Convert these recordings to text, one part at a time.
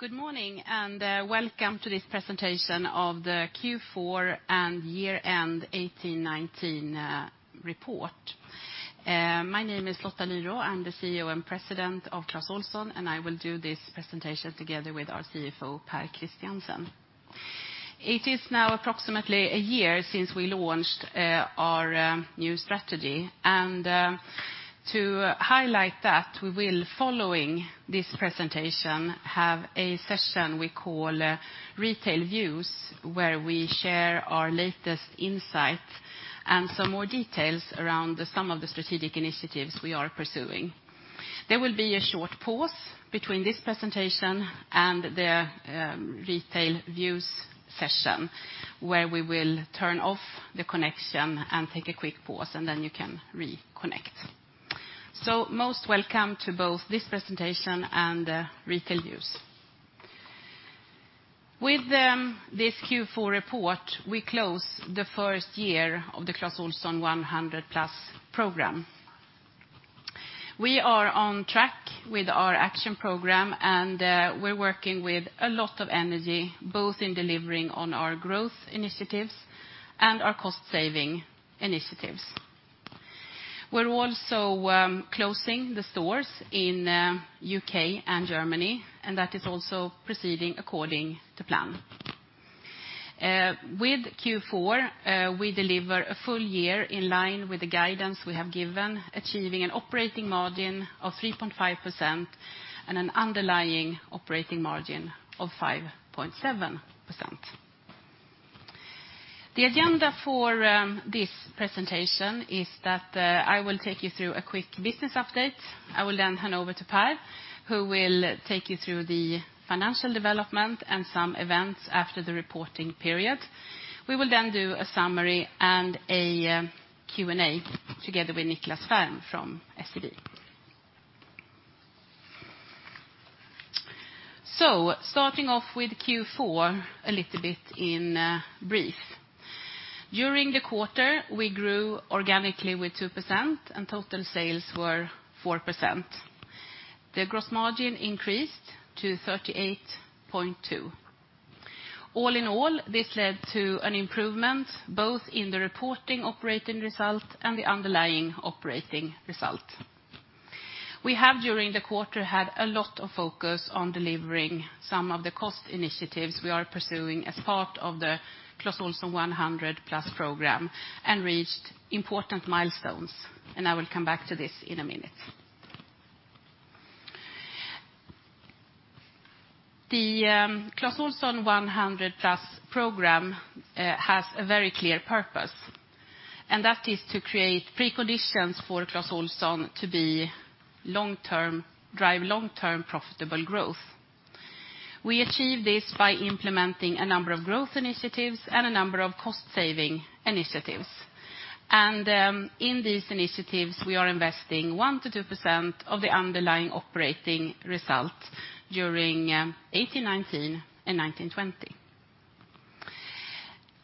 Good morning, welcome to this presentation of the Q4 and year-end 2018/2019 report. My name is Lotta Lyrå, I'm the CEO and President of Clas Ohlson, and I will do this presentation together with our CFO, Pär Christiansen. It is now approximately a year since we launched our new strategy. To highlight that, we will, following this presentation, have a session we call Retail Views, where we share our latest insights and some more details around some of the strategic initiatives we are pursuing. There will be a short pause between this presentation and the Retail Views session, where we will turn off the connection and take a quick pause, and then you can reconnect. Most welcome to both this presentation and Retail Views. With this Q4 report, we close the first year of the CO100+ program. We are on track with our action program, and we're working with a lot of energy, both in delivering on our growth initiatives and our cost saving initiatives. We're also closing the stores in U.K. and Germany, and that is also proceeding according to plan. With Q4, we deliver a full year in line with the guidance we have given, achieving an operating margin of 3.5% and an underlying operating margin of 5.7%. The agenda for this presentation is that I will take you through a quick business update. I will then hand over to Pär, who will take you through the financial development and some events after the reporting period. We will then do a summary and a Q&A together with Niklas Ferm from SEB. Starting off with Q4, a little bit in brief. During the quarter, we grew organically with 2% and total sales were 4%. The gross margin increased to 38.2%. All in all, this led to an improvement both in the reporting operating result and the underlying operating result. We have, during the quarter, had a lot of focus on delivering some of the cost initiatives we are pursuing as part of the CO100+ program and reached important milestones, and I will come back to this in a minute. The CO100+ program has a very clear purpose, and that is to create preconditions for Clas Ohlson to be long-term, drive long-term profitable growth. We achieve this by implementing a number of growth initiatives and a number of cost saving initiatives. In these initiatives, we are investing 1%-2% of the underlying operating result during 2018/2019 and 2019/2020.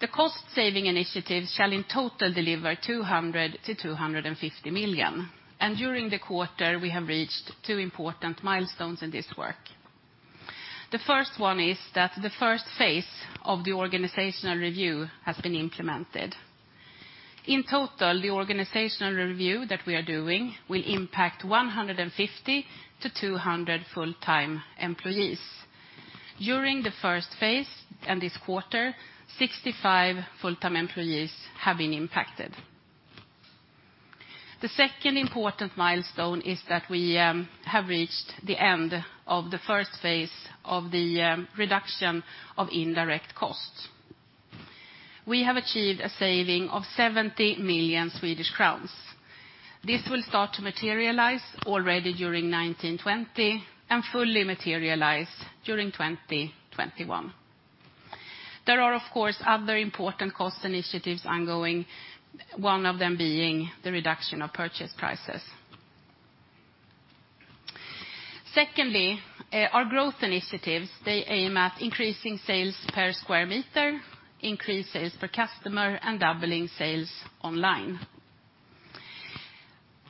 The cost saving initiatives shall in total deliver 200 million-250 million, and during the quarter, we have reached two important milestones in this work. The first one is that the first phase of the organizational review has been implemented. In total, the organizational review that we are doing will impact 150-200 full-time employees. During the first phase and this quarter, 65 full-time employees have been impacted. The second important milestone is that we have reached the end of the first phase of the reduction of indirect costs. We have achieved a saving of 70 million Swedish crowns. This will start to materialize already during 2019/2020 and fully materialize during 2020/2021. There are, of course, other important cost initiatives ongoing, one of them being the reduction of purchase prices. Secondly, our growth initiatives, they aim at increasing sales per square meter, increases per customer, and doubling sales online.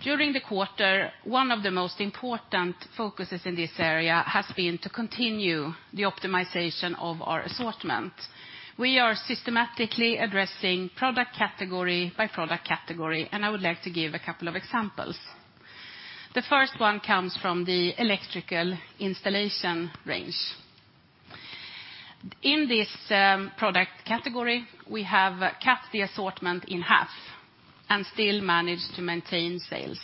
During the quarter, one of the most important focuses in this area has been to continue the optimization of our assortment. We are systematically addressing product category by product category, and I would like to give a couple of examples. The first one comes from the electrical installation range. In this product category, we have cut the assortment in half and still managed to maintain sales.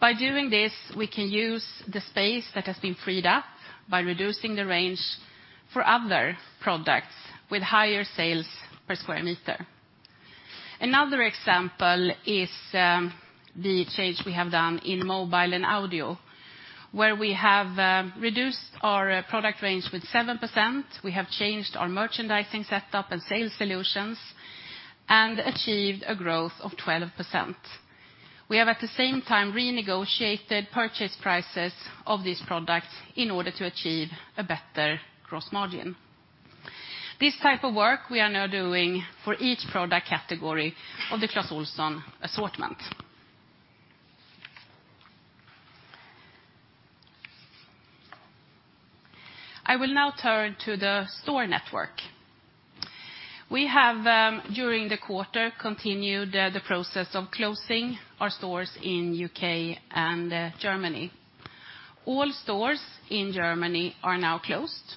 By doing this, we can use the space that has been freed up by reducing the range for other products with higher sales per square meter. Another example is, the change we have done in mobile and audio, where we have reduced our product range with 7%. We have changed our merchandising setup and sales solutions and achieved a growth of 12%. We have, at the same time, renegotiated purchase prices of these products in order to achieve a better gross margin. This type of work we are now doing for each product category of the Clas Ohlson assortment. I will now turn to the store network. We have, during the quarter continued, the process of closing our stores in U.K. and Germany. All stores in Germany are now closed.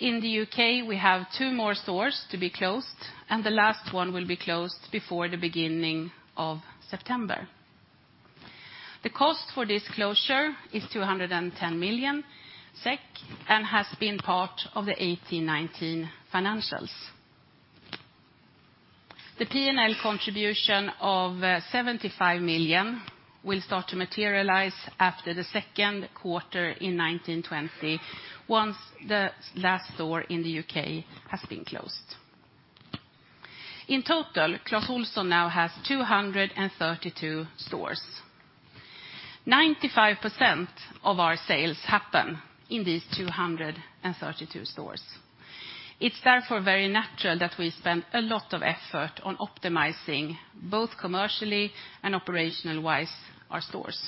In the U.K., we have two more stores to be closed, and the last one will be closed before the beginning of September. The cost for this closure is 210 million SEK, and has been part of the 2018, 2019 financials. The P&L contribution of 75 million will start to materialize after the second quarter in 2019, 2020 once the last store in the U.K. has been closed. In total, Clas Ohlson now has 232 stores. 95% of our sales happen in these 232 stores. It's therefore very natural that we spend a lot of effort on optimizing both commercially and operational-wise our stores.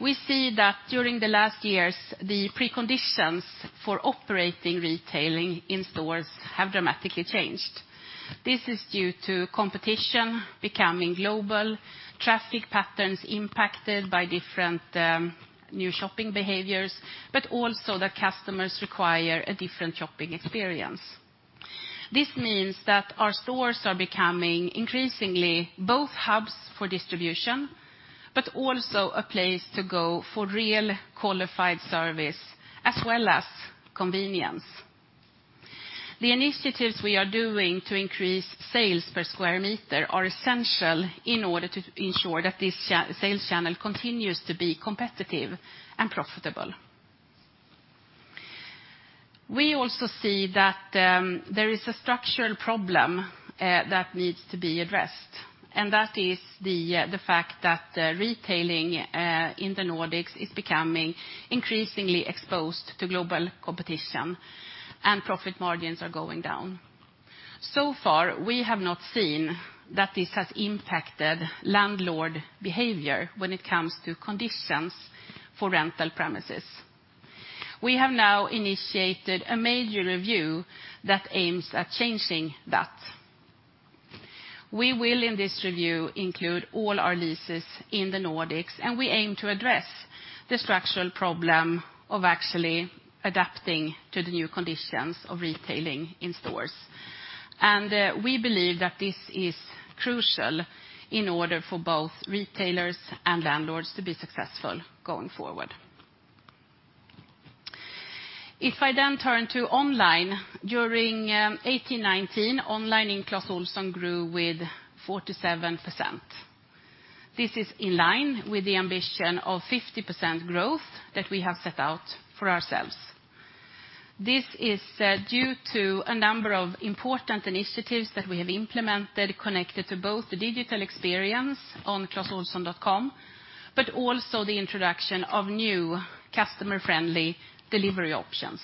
We see that during the last years, the preconditions for operating retailing in stores have dramatically changed. This is due to competition becoming global, traffic patterns impacted by different new shopping behaviors, but also that customers require a different shopping experience. This means that our stores are becoming increasingly both hubs for distribution, but also a place to go for real qualified service as well as convenience. The initiatives we are doing to increase sales per square meter are essential in order to ensure that this sales channel continues to be competitive and profitable. We also see that there is a structural problem that needs to be addressed, and that is the fact that retailing in the Nordics is becoming increasingly exposed to global competition and profit margins are going down. So far, we have not seen that this has impacted landlord behavior when it comes to conditions for rental premises. We have now initiated a major review that aims at changing that. We will in this review include all our leases in the Nordics, we aim to address the structural problem of actually adapting to the new conditions of retailing in stores. We believe that this is crucial in order for both retailers and landlords to be successful going forward. If I then turn to online, during 2018, 2019, online in Clas Ohlson grew with 47%. This is in line with the ambition of 50% growth that we have set out for ourselves. This is due to a number of important initiatives that we have implemented connected to both the digital experience on clasohlson.com, but also the introduction of new customer-friendly delivery options.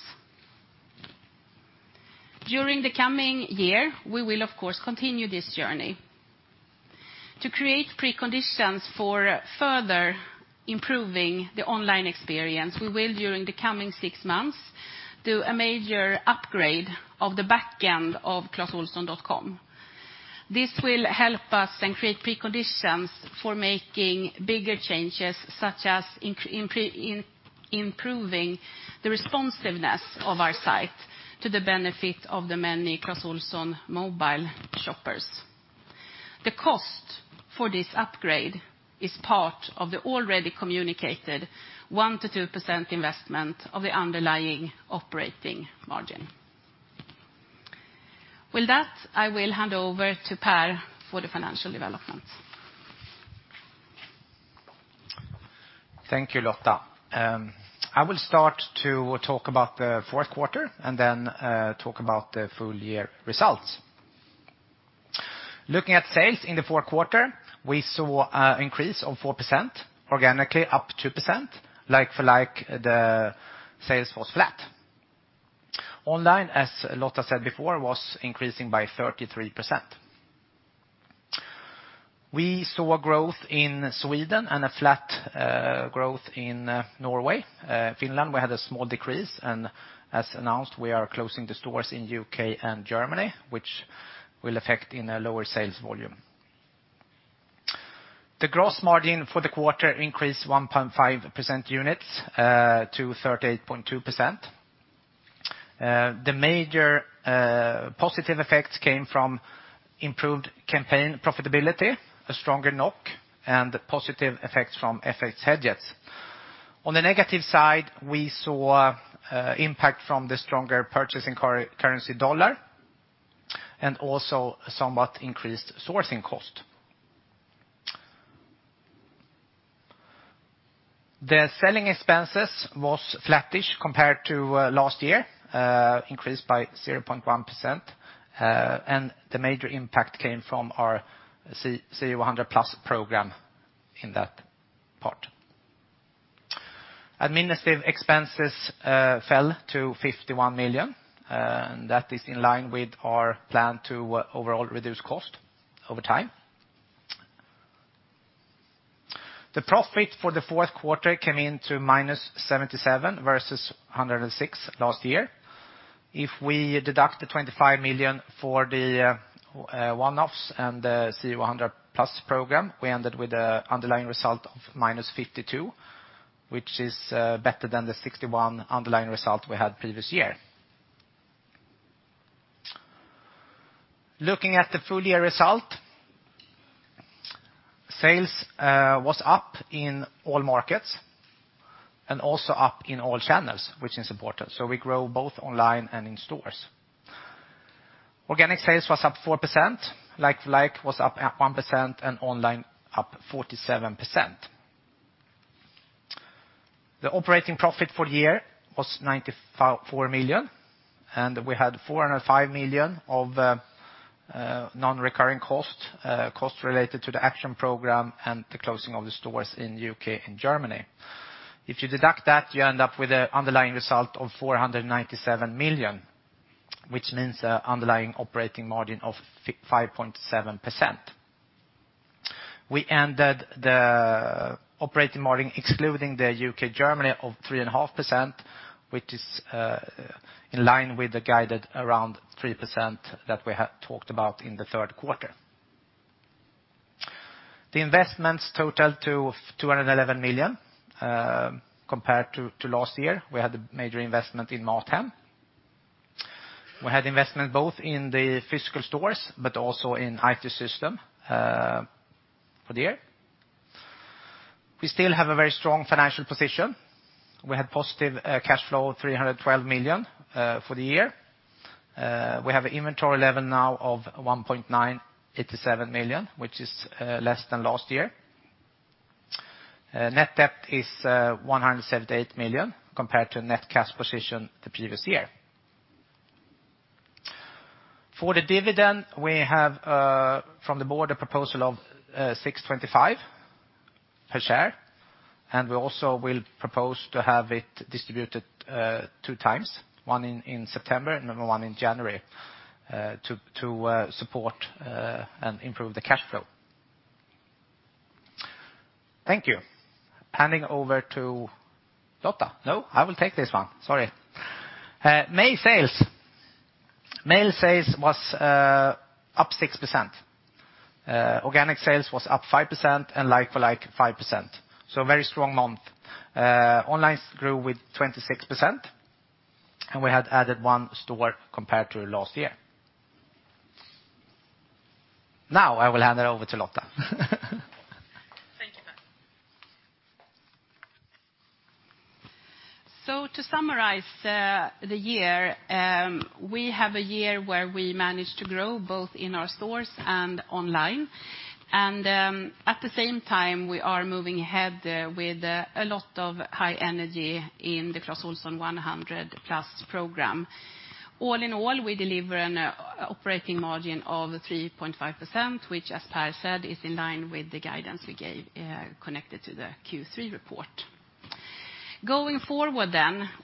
During the coming year, we will of course continue this journey. To create preconditions for further improving the online experience, we will during the coming six months do a major upgrade of the back end of clasohlson.com. This will help us and create preconditions for making bigger changes such as improving the responsiveness of our site to the benefit of the many Clas Ohlson mobile shoppers. The cost for this upgrade is part of the already communicated 1%-2% investment of the underlying operating margin. With that, I will hand over to Pär for the financial development. Thank you, Lotta. I will start to talk about the fourth quarter and then talk about the full year results. Looking at sales in the fourth quarter, we saw a increase of 4%, organically up 2%. Like for like, the sales was flat. Online, as Lotta said before, was increasing by 33%. We saw growth in Sweden and a flat growth in Norway. Finland, we had a small decrease. As announced, we are closing the stores in U.K. and Germany, which will affect in a lower sales volume. The gross margin for the quarter increased 1.5% units to 38.2%. The major positive effects came from improved campaign profitability, a stronger NOK, positive effects from FX hedges. On the negative side, we saw impact from the stronger purchasing currency dollar, also somewhat increased sourcing cost. The selling expenses was flattish compared to last year, increased by 0.1%, and the major impact came from our CO100+ program in that part. Administrative expenses fell to 51 million, and that is in line with our plan to overall reduce cost over time. The profit for the fourth quarter came in to -77 versus 106 last year. If we deduct the 25 million for the one-offs and the CO100+ program, we ended with a underlying result of -52, which is better than the 61 underlying result we had previous year. Looking at the full year result, sales was up in all markets and also up in all channels, which is important, so we grow both online and in stores. Organic sales was up 4%. Like-for-like was up at 1% and online up 47%. The operating profit for the year was 954 million and we had 405 million of non-recurring cost related to the action program and the closing of the stores in U.K. and Germany. If you deduct that, you end up with a underlying result of 497 million, which means a underlying operating margin of 5.7%. We ended the operating margin excluding the U.K., Germany of 3.5%, which is in line with the guided around 3% that we had talked about in the third quarter. The investments total to 211 million compared to last year we had the major investment in MatHem. We had investment both in the physical stores but also in IT system for the year. We still have a very strong financial position. We had positive cash flow of 312 million for the year. We have an inventory level now of 1.987 million, which is less than last year. Net debt is 178 million compared to net cash position the previous year. For the dividend, we have from the Board a proposal of 6.25 per share, and we also will propose to have it distributed two times, one in September, another one in January, to support and improve the cash flow. Thank you. Handing over to Lotta. No, I will take this one, sorry. May sales. May sales was up 6%. Organic sales was up 5% and like-for-like 5%, so a very strong month. Online grew with 26% and we had added one store compared to last year. Now I will hand it over to Lotta. Thank you, Pär. To summarize, the year, we have a year where we managed to grow both in our stores and online. At the same time, we are moving ahead with a lot of high energy in the CO100+ program. All in all, we deliver an operating margin of 3.5%, which as Pär said, is in line with the guidance we gave connected to the Q3 report. Going forward,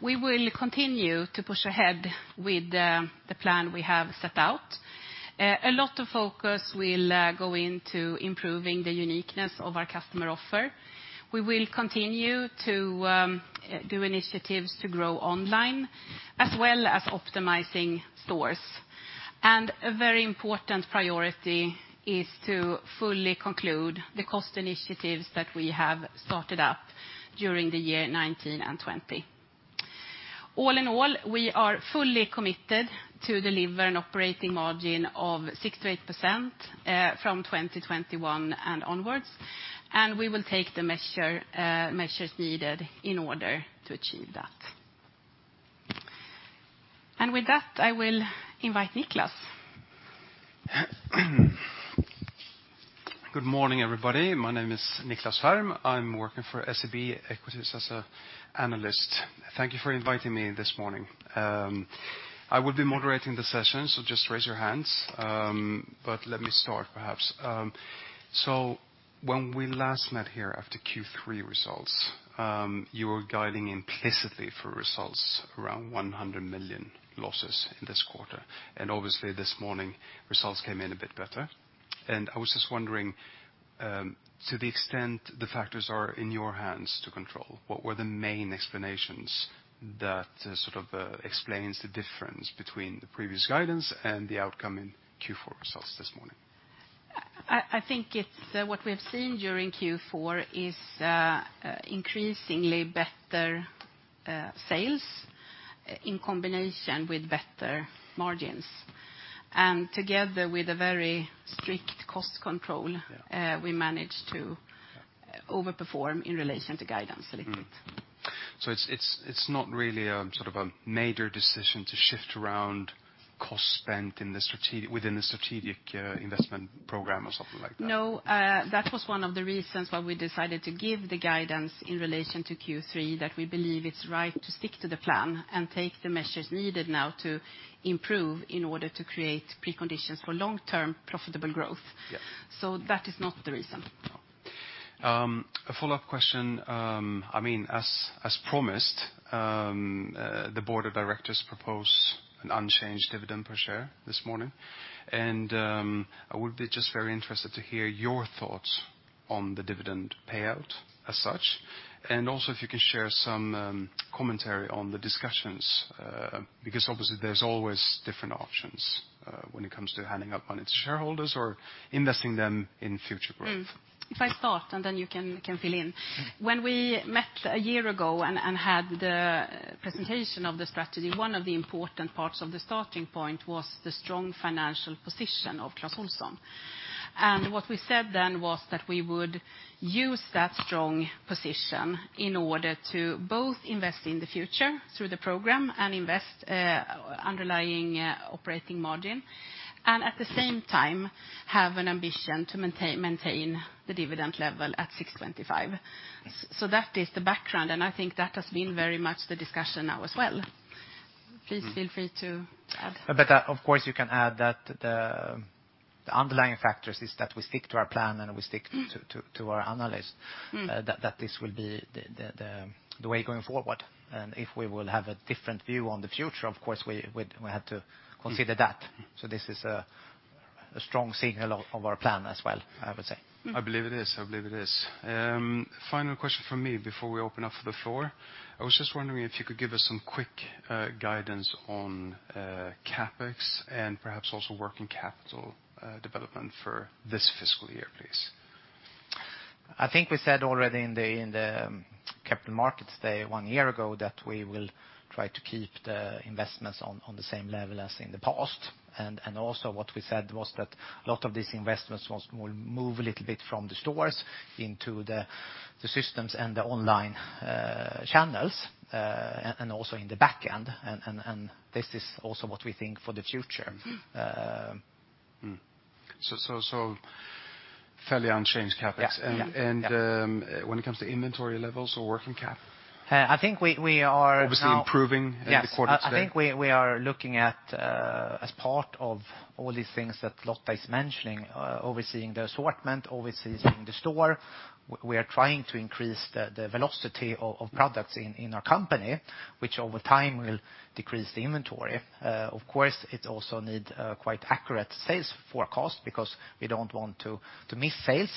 we will continue to push ahead with the plan we have set out. A lot of focus will go into improving the uniqueness of our customer offer. We will continue to do initiatives to grow online as well as optimizing stores. A very important priority is to fully conclude the cost initiatives that we have started up during the year 2019 and 2020. All in all, we are fully committed to deliver an operating margin of 6%-8% from 2021 and onwards. We will take the measures needed in order to achieve that. With that, I will invite Niklas. Good morning, everybody. My name is Niklas Ferm. I'm working for SEB Equities as a analyst. Thank you for inviting me this morning. I will be moderating the session, so just raise your hands. Let me start, perhaps. When we last met here after Q3 results, you were guiding implicitly for results around 100 million losses in this quarter. Obviously this morning results came in a bit better. I was just wondering, to the extent the factors are in your hands to control, what were the main explanations that, sort of, explains the difference between the previous guidance and the outcome in Q4 results this morning? I think it's what we have seen during Q4 is increasingly better sales in combination with better margins. together with a very strict cost control- Yeah. We managed to overperform in relation to guidance a little bit. It's not really, sort of a major decision to shift around cost spent within the strategic investment program or something like that? That was one of the reasons why we decided to give the guidance in relation to Q3, that we believe it's right to stick to the plan and take the measures needed now to improve in order to create preconditions for long-term profitable growth. Yeah. That is not the reason. A follow-up question, I mean, as promised, the Board of Directors propose an unchanged dividend per share this morning. I would be just very interested to hear your thoughts on the dividend payout as such, and also if you can share some commentary on the discussions, because obviously there's always different options when it comes to handing out money to shareholders or investing them in future growth. If I start, and then you can, you can fill in. Mm-hmm. When we met a year ago and had the presentation of the strategy, one of the important parts of the starting point was the strong financial position of Clas Ohlson. What we said then was that we would use that strong position in order to both invest in the future through the program and invest, underlying operating margin, and at the same time have an ambition to maintain the dividend level at 6.25. That is the background, and I think that has been very much the discussion now as well. Please feel free to add. Of course you can add that the underlying factors is that we stick to our plan and we stick to our. Mm. That this will be the way going forward. If we will have a different view on the future, of course we had to consider that. This is a strong signal of our plan as well, I would say. Mm. I believe it is. I believe it is. Final question from me before we open up for the floor. I was just wondering if you could give us some quick guidance on CapEx and perhaps also working capital development for this fiscal year, please. I think we said already in the Capital Markets Day one year ago that we will try to keep the investments on the same level as in the past. Also what we said was that a lot of these investments will move a little bit from the stores into the systems and the online channels and also in the back end. This is also what we think for the future. So fairly unchanged CapEx. Yeah. Yeah. Yeah. When it comes to inventory levels or working cap? I think we are. Obviously improving in the quarter today. Yes. I think we are looking at, as part of all these things that Lotta is mentioning, overseeing the assortment, overseeing the store. We are trying to increase the velocity of products in our company, which over time will decrease the inventory. Of course, it also need quite accurate sales forecast because we don't want to miss sales,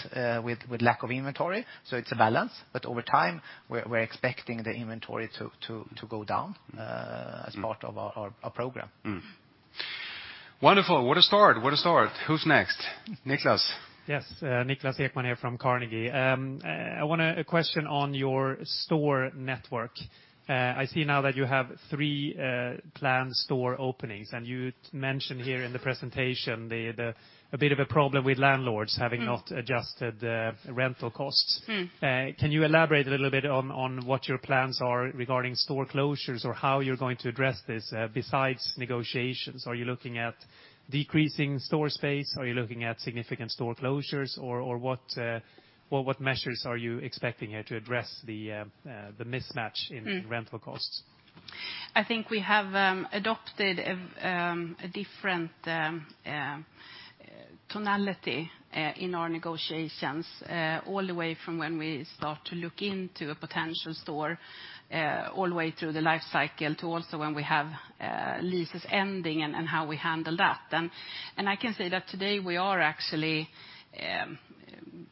with lack of inventory, so it's a balance. Over time, we're expecting the inventory to go down. Mm. As part of our program. Wonderful. What a start. What a start. Who's next? Niklas? Yes. Niklas Ekman here from Carnegie. I want a question on your store network. I see now that you have three planned store openings. You mentioned here in the presentation a bit of a problem with landlords having not- Mm. -adjusted, rental costs. Mm. Can you elaborate a little bit on what your plans are regarding store closures or how you're going to address this, besides negotiations? Are you looking at decreasing store space? Are you looking at significant store closures? Or what measures are you expecting here to address the mismatch? Mm. Rental costs? I think we have adopted a different tonality in our negotiations, all the way from when we start to look into a potential store, all the way through the life cycle to also when we have leases ending and how we handle that. I can say that today we are actually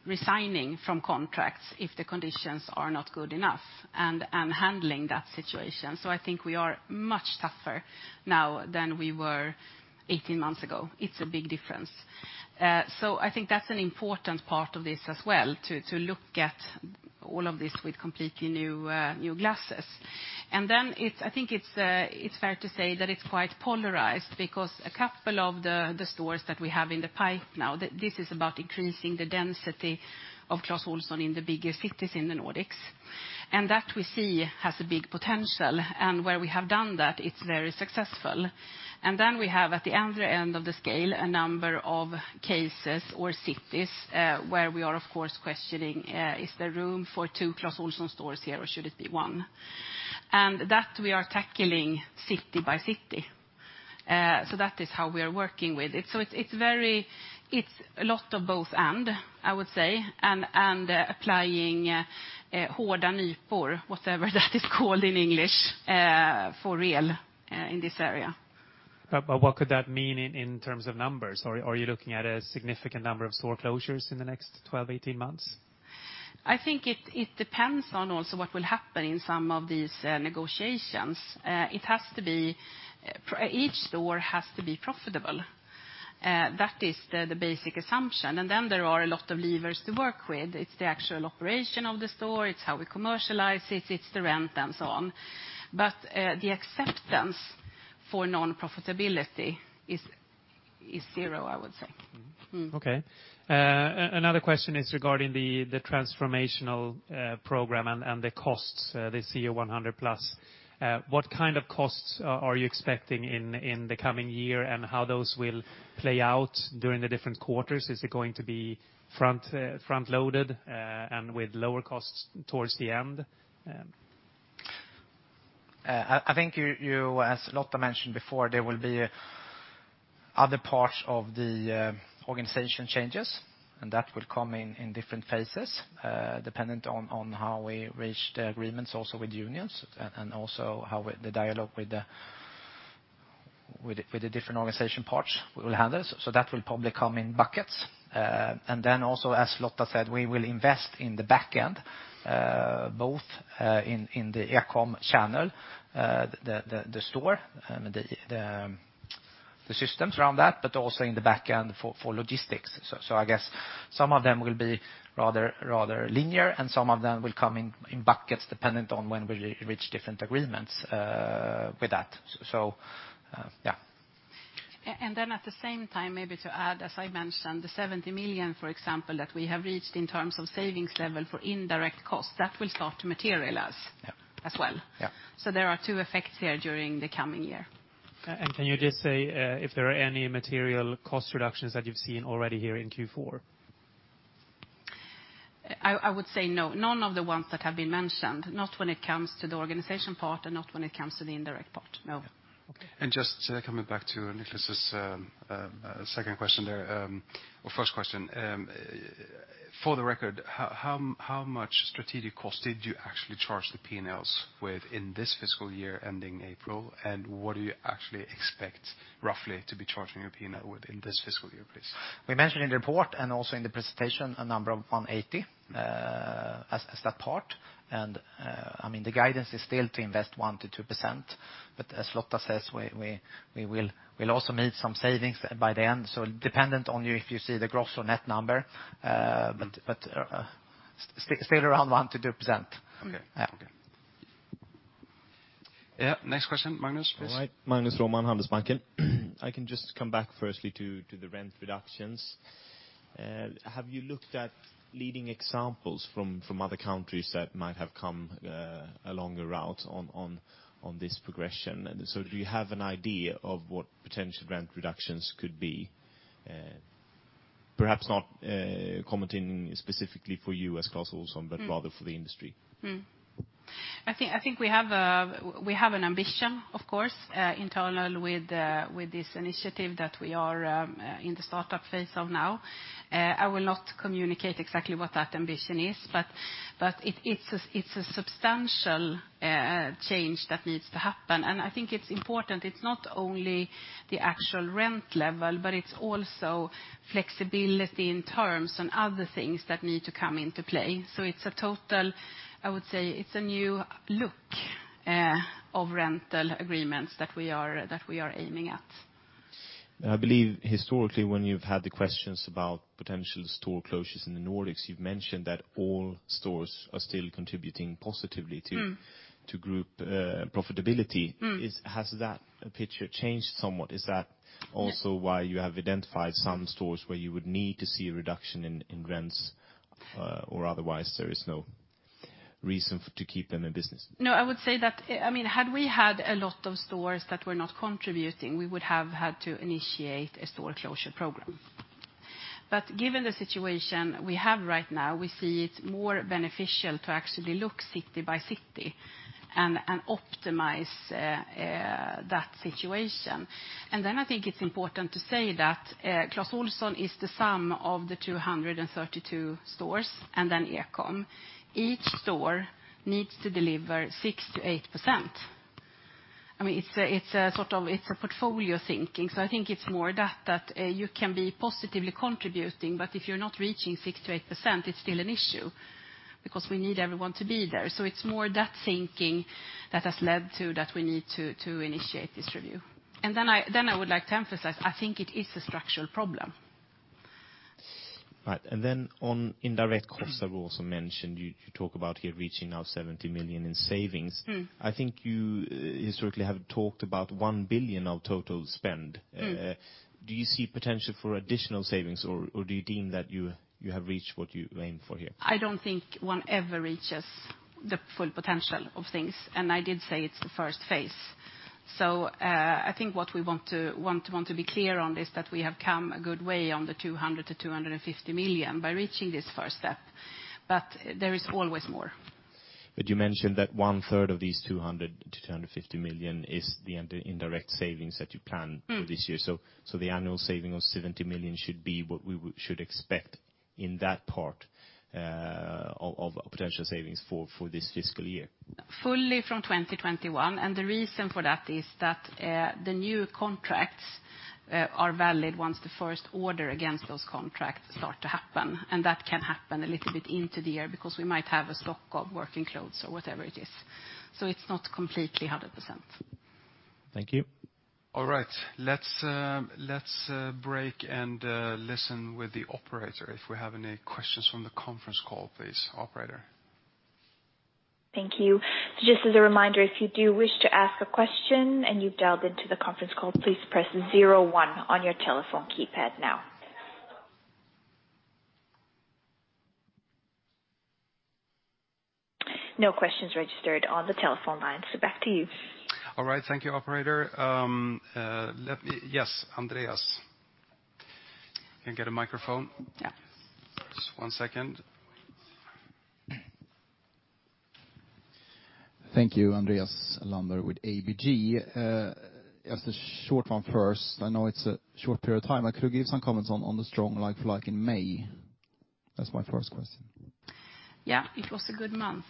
resigning from contracts if the conditions are not good enough, and handling that situation. I think we are much tougher now than we were 18 months ago. It's a big difference. I think that's an important part of this as well, to look at all of this with completely new glasses. It's, I think it's fair to say that it's quite polarized because a couple of the stores that we have in the pipe now, this is about increasing the density of Clas Ohlson in the bigger cities in the Nordics. That we see has a big potential. Where we have done that, it's very successful. We have at the other end of the scale a number of cases or cities, where we are of course questioning, is there room for two Clas Ohlson stores here or should it be one? That we are tackling city by city. That is how we are working with it. It's very, it's a lot of both/and, I would say, and applying hårda nypor, whatever that is called in English, for real, in this area. What could that mean in terms of numbers? Are you looking at a significant number of store closures in the next 12, 18 months? I think it depends on also what will happen in some of these negotiations. It has to be each store has to be profitable. That is the basic assumption. Then there are a lot of levers to work with. It's the actual operation of the store, it's how we commercialize it's the rent and so on. The acceptance for non-profitability is zero, I would say. Mm-hmm. Mm. Okay. another question is regarding the transformational program and the costs, the CO100+. What kind of costs are you expecting in the coming year, and how those will play out during the different quarters? Is it going to be front-loaded and with lower costs towards the end? I think you, as Lotta mentioned before, there will be other parts of the organization changes, that will come in different phases, dependent on how we reach the agreements also with unions and also how, with the dialogue with the different organization parts we will handle. That will probably come in buckets. Then also as Lotta said, we will invest in the back end, both in the e-com channel, the store, the systems around that but also in the back end for logistics. I guess some of them will be rather linear, and some of them will come in buckets dependent on when we re-reach different agreements with that. Yeah. At the same time, maybe to add, as I mentioned, the 70 million, for example, that we have reached in terms of savings level for indirect costs, that will start to materialize-. Yeah. as well. Yeah. There are two effects here during the coming year. Can you just say if there are any material cost reductions that you've seen already here in Q4? I would say no. None of the ones that have been mentioned, not when it comes to the organization part and not when it comes to the indirect part, no. Okay. Just coming back to Niklas', second question there, or first question. For the record, how much strategic costs did you actually charge the P&Ls with in this fiscal year ending April? What do you actually expect roughly to be charging your P&L with in this fiscal year, please? We mentioned in the report and also in the presentation a number of 180 as that part. I mean, the guidance is still to invest 1%-2%. As Lotta says, we'll also meet some savings by the end. Dependent on you if you see the gross or net number, but still around 1%-2%. Okay. Yeah. Okay. Yeah, next question, Magnus, please. All right. Magnus Råman, Handelsbanken. I can just come back firstly to the rent reductions. Have you looked at leading examples from other countries that might have come a longer route on this progression? Do you have an idea of what potential rent reductions could be? Perhaps not commenting specifically for you as Clas Ohlson. Mm. Rather for the industry. I think we have an ambition, of course, internal with this initiative that we are in the startup phase of now. I will not communicate exactly what that ambition is, but it's a substantial change that needs to happen. I think it's important, it's not only the actual rent level, but it's also flexibility in terms and other things that need to come into play. It's a total, I would say, it's a new look of rental agreements that we are aiming at. I believe historically when you've had the questions about potential store closures in the Nordics, you've mentioned that all stores are still contributing positively to- Mm. to group profitability. Mm. Has that picture changed somewhat? Is that also why you have identified some stores where you would need to see a reduction in rents, or otherwise there is no reason to keep them in business? I would say that, I mean, had we had a lot of stores that were not contributing, we would have had to initiate a store closure program. Given the situation we have right now, we see it more beneficial to actually look city by city and optimize that situation. I think it's important to say that Clas Ohlson is the sum of the 232 stores and an e-com. Each store needs to deliver 6%-8%. I mean, it's a sort of, it's a portfolio thinking. I think it's more that you can be positively contributing, but if you're not reaching 6%-8%, it's still an issue because we need everyone to be there. It's more that thinking that has led to that we need to initiate this review. I would like to emphasize, I think it is a structural problem. Right. On indirect costs that you also mentioned, you talk about here reaching now 70 million in savings. Mm. I think you historically have talked about 1 billion of total spend. Mm. Do you see potential for additional savings, or do you deem that you have reached what you aim for here? I don't think one ever reaches the full potential of things. I did say it's the first phase. I think what we want to be clear on is that we have come a good way on the 200 million-250 million by reaching this first step. There is always more. You mentioned that one-third of these 200 million-250 million is the indirect savings that you plan for this year. Mm. The annual saving of 70 million should be what we should expect in that part, of potential savings for this fiscal year. Fully from 2021. The reason for that is that the new contracts are valid once the first order against those contracts start to happen. That can happen a little bit into the year because we might have a stock of working clothes or whatever it is. It's not completely 100%. Thank you. All right. Let's break and listen with the operator if we have any questions from the conference call, please. Operator? Thank you. Just as a reminder, if you do wish to ask a question and you've dialed into the conference call, please press zero one on your telephone keypad now. No questions registered on the telephone line. Back to you. All right. Thank you, operator. Yes, Andreas. Can I get a microphone? Yeah. Just one second. Thank you, Andreas Lundberg with ABG. Just a short one first. I know it's a short period of time, but could you give some comments on the strong like-for-like in May? That's my first question. Yeah, it was a good month.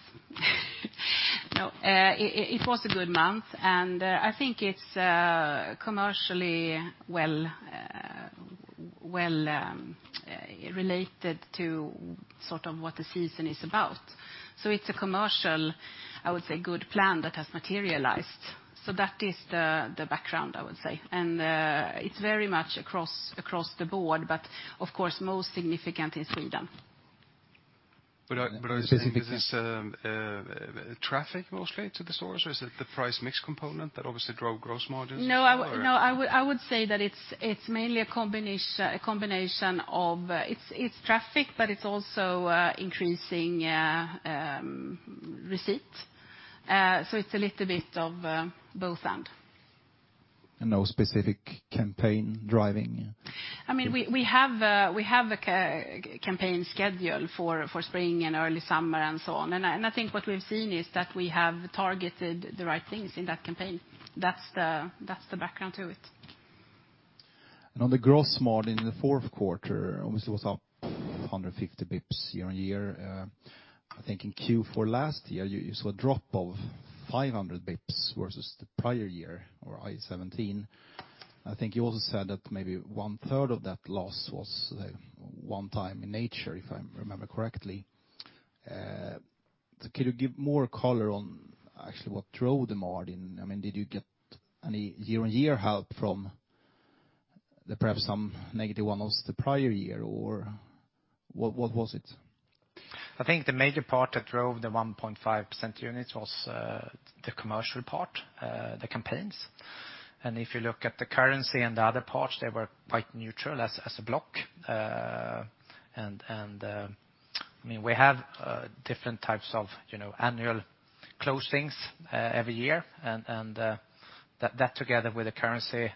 No, it was a good month, and I think it's commercially well, well, related to sort of what the season is about. It's a commercial, I would say, good plan that has materialized. That is the background, I would say. It's very much across the board, but of course most significant is Sweden. I think it's, traffic mostly to the stores, or is it the price mix component that obviously drove gross margins? No. Or- I would say that it's mainly a combination of It's traffic, but it's also increasing receipt. It's a little bit of both end. No specific campaign driving? I mean, we have a campaign schedule for spring and early summer and so on. I think what we've seen is that we have targeted the right things in that campaign. That's the background to it. On the gross margin in the fourth quarter, obviously it was up 150 bips year-on-year. I think in Q4 last year you saw a drop of 500 bips versus the prior year or 2017. I think you also said that maybe one third of that loss was one time in nature, if I remember correctly. Could you give more color on actually what drove the margin? I mean, did you get any year-on-year help from the perhaps some negative one was the prior year, or what was it? I think the major part that drove the 1.5% units was the commercial part, the campaigns. If you look at the currency and the other parts, they were quite neutral as a block. I mean, we have, you know, different types of annual closings every year and that together with the currency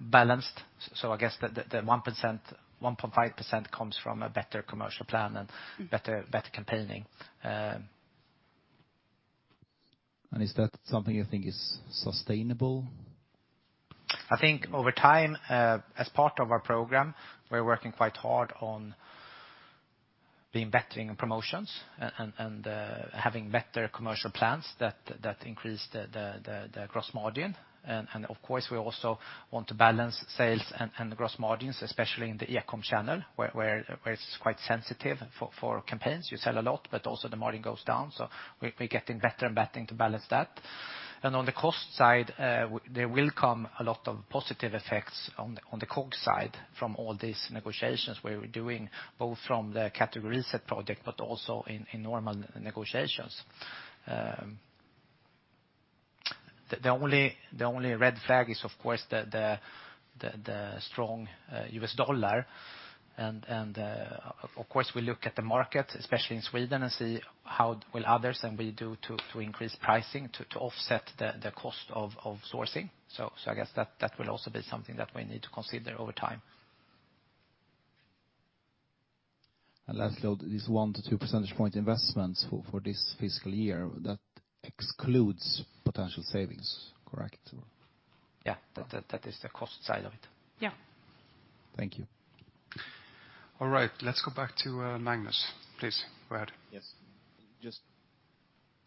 balanced. I guess the 1%, 1.5% comes from a better commercial plan and better campaigning. Is that something you think is sustainable? I think over time, as part of our program, we're working quite hard on being better in promotions and having better commercial plans that increase the gross margin. Of course we also want to balance sales and the gross margins, especially in the e-com channel where it's quite sensitive for campaigns. You sell a lot, but also the margin goes down. We're getting better and better to balance that. On the cost side, there will come a lot of positive effects on the COGS side from all these negotiations we're doing, both from the category reset project, but also in normal negotiations. The only red flag is of course the strong US dollar and of course we look at the market, especially in Sweden, and see how will others and we do to increase pricing to offset the cost of sourcing. I guess that will also be something that we need to consider over time. Lastly, on these 1-2 percentage point investments for this fiscal year, that excludes potential savings, correct? Yeah. That is the cost side of it. Yeah. Thank you. All right. Let's go back to Magnus. Please, go ahead. Yes.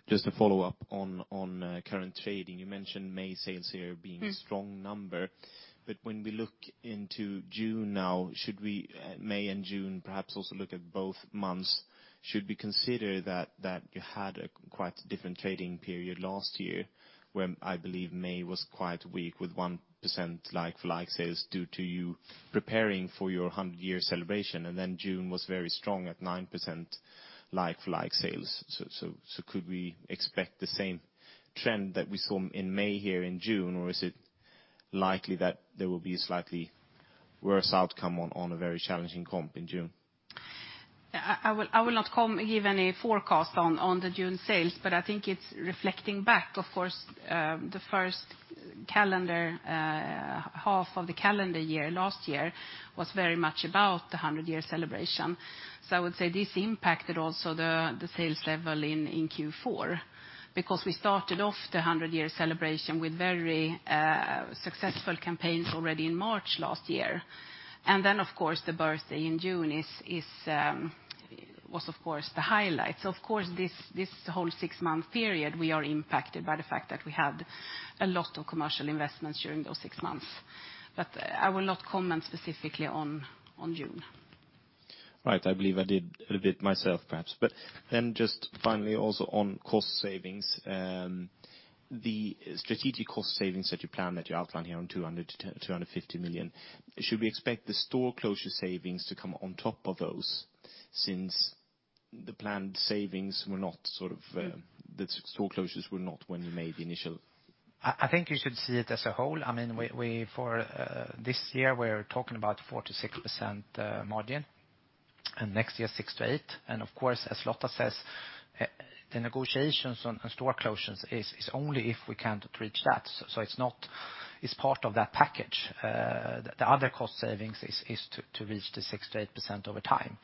Just to follow up on current trading. You mentioned May sales here being strong number. When we look into June now, should we, May and June, perhaps also look at both months, should we consider that you had a quite different trading period last year when I believe May was quite weak with 1% like-for-like sales due to you preparing for your 100-year celebration, and then June was very strong at 9% like-for-like sales. Could we expect the same trend that we saw in May here in June, or is it likely that there will be a slightly worse outcome on a very challenging comp in June? Yeah. I will not give any forecast on the June sales, I think it's reflecting back, of course, the first calendar half of the calendar year last year was very much about the 100-year celebration. I would say this impacted also the sales level in Q4, because we started off the 100-year celebration with very successful campaigns already in March last year. Of course, the birthday in June was of course the highlight. Of course this whole six-month period, we are impacted by the fact that we had a lot of commercial investments during those six months. I will not comment specifically on June. Right. I believe I did a little bit myself perhaps. Just finally also on cost savings, the strategic cost savings that you plan, that you outline here on 200 million-250 million, should we expect the store closure savings to come on top of those since the planned savings were not sort of, the store closures were not when you made the initial-? I think you should see it as a whole. We, for this year, we're talking about 4%-6% margin. Next year 6%-8%. Of course, as Lotta says, the negotiations on store closures is only if we can't reach that. It's not. It's part of that package. The other cost savings is to reach the 6%-8% over time.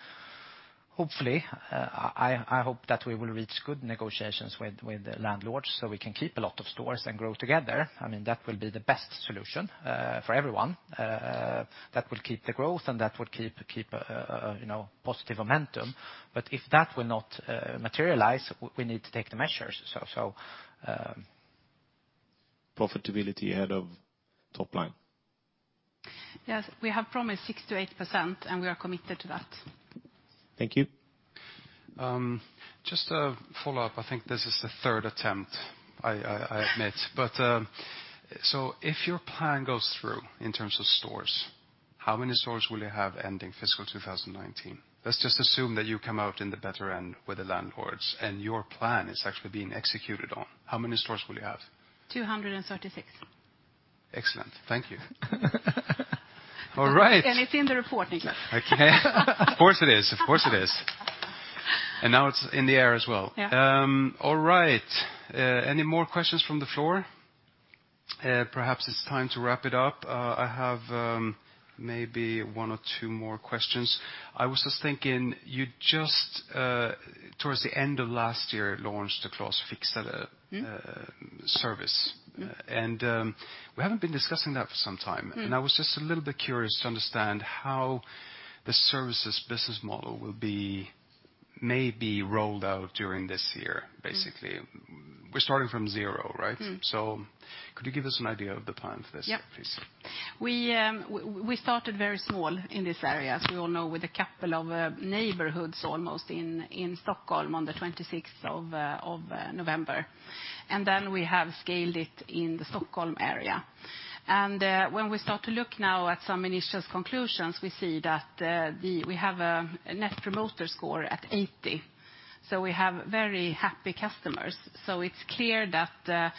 Hopefully, I hope that we will reach good negotiations with the landlords so we can keep a lot of stores and grow together. That will be the best solution for everyone. That will keep the growth, and that would keep, you know, positive momentum. If that will not materialize, we need to take the measures. Profitability ahead of top line. Yes. We have promised 6%-8%, and we are committed to that. Thank you. Just a follow-up. I think this is the third attempt, I admit. If your plan goes through in terms of stores, how many stores will you have ending fiscal 2019? Let's just assume that you come out in the better end with the landlords, and your plan is actually being executed on. How many stores will you have? 236. Excellent. Thank you. All right. It's in the report, Niklas. Okay. Of course it is. Of course it is. Now it's in the air as well. Yeah. All right. Any more questions from the floor? Perhaps it's time to wrap it up. I have maybe one or two more questions. I was just thinking, you just towards the end of last year, launched the Clas Fixare. Mm-hmm. Service. We haven't been discussing that for some time. Mm-hmm. I was just a little bit curious to understand how the services business model will be maybe rolled out during this year, basically. Mm-hmm. We're starting from zero, right? Mm-hmm. Could you give us an idea of the plan for this, please? Yeah. We started very small in this area, as we all know, with a couple of neighborhoods almost in Stockholm on the 26th of November. We have scaled it in the Stockholm area. When we start to look now at some initial conclusions, we see that we have a Net Promoter Score at 80, so we have very happy customers. It's clear that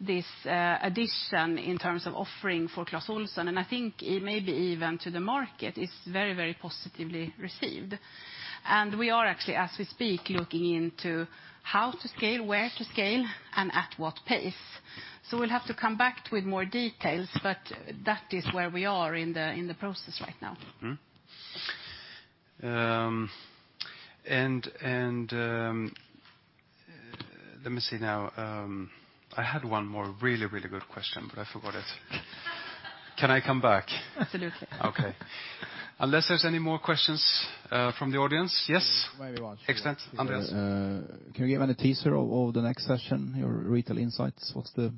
this addition in terms of offering for Clas Ohlson, and I think it may be even to the market, is very, very positively received. We are actually, as we speak, looking into how to scale, where to scale, and at what pace. We'll have to come back with more details, but that is where we are in the process right now. Mm-hmm. Let me see now. I had one more really good question, but I forgot it. Can I come back? Absolutely. Okay. Unless there's any more questions from the audience. Yes? Very well. Excellent. Andreas. Can you give any teaser of the next session, your retail insights? What's the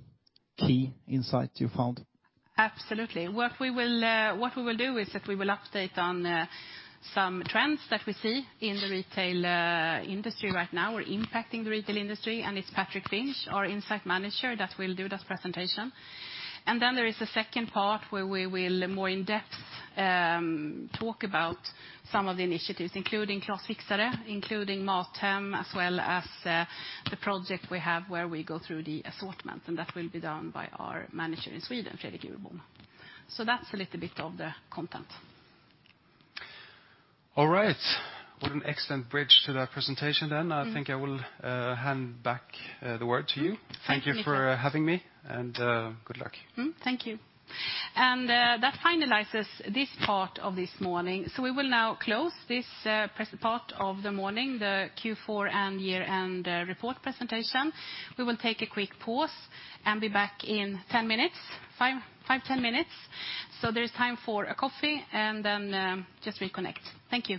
key insight you found? Absolutely. What we will, what we will do is that we will update on some trends that we see in the retail industry right now or impacting the retail industry. It's Patrick Finch, our insight manager, that will do this presentation. There is a second part where we will more in-depth talk about some of the initiatives, including Clas Fixare, including MatHem, as well as the project we have where we go through the assortment, and that will be done by our manager in Sweden, Fredrik Uhrbom. That's a little bit of the content. All right. What an excellent bridge to that presentation then. Mm-hmm. I think I will hand back the word to you. Thank you, Niklas. Thank you for having me, and good luck. Thank you. That finalizes this part of this morning. We will now close this part of the morning, the Q4 and year-end report presentation. We will take a quick pause and be back in 10 minutes. Five, 10 minutes. There is time for a coffee and then just reconnect. Thank you.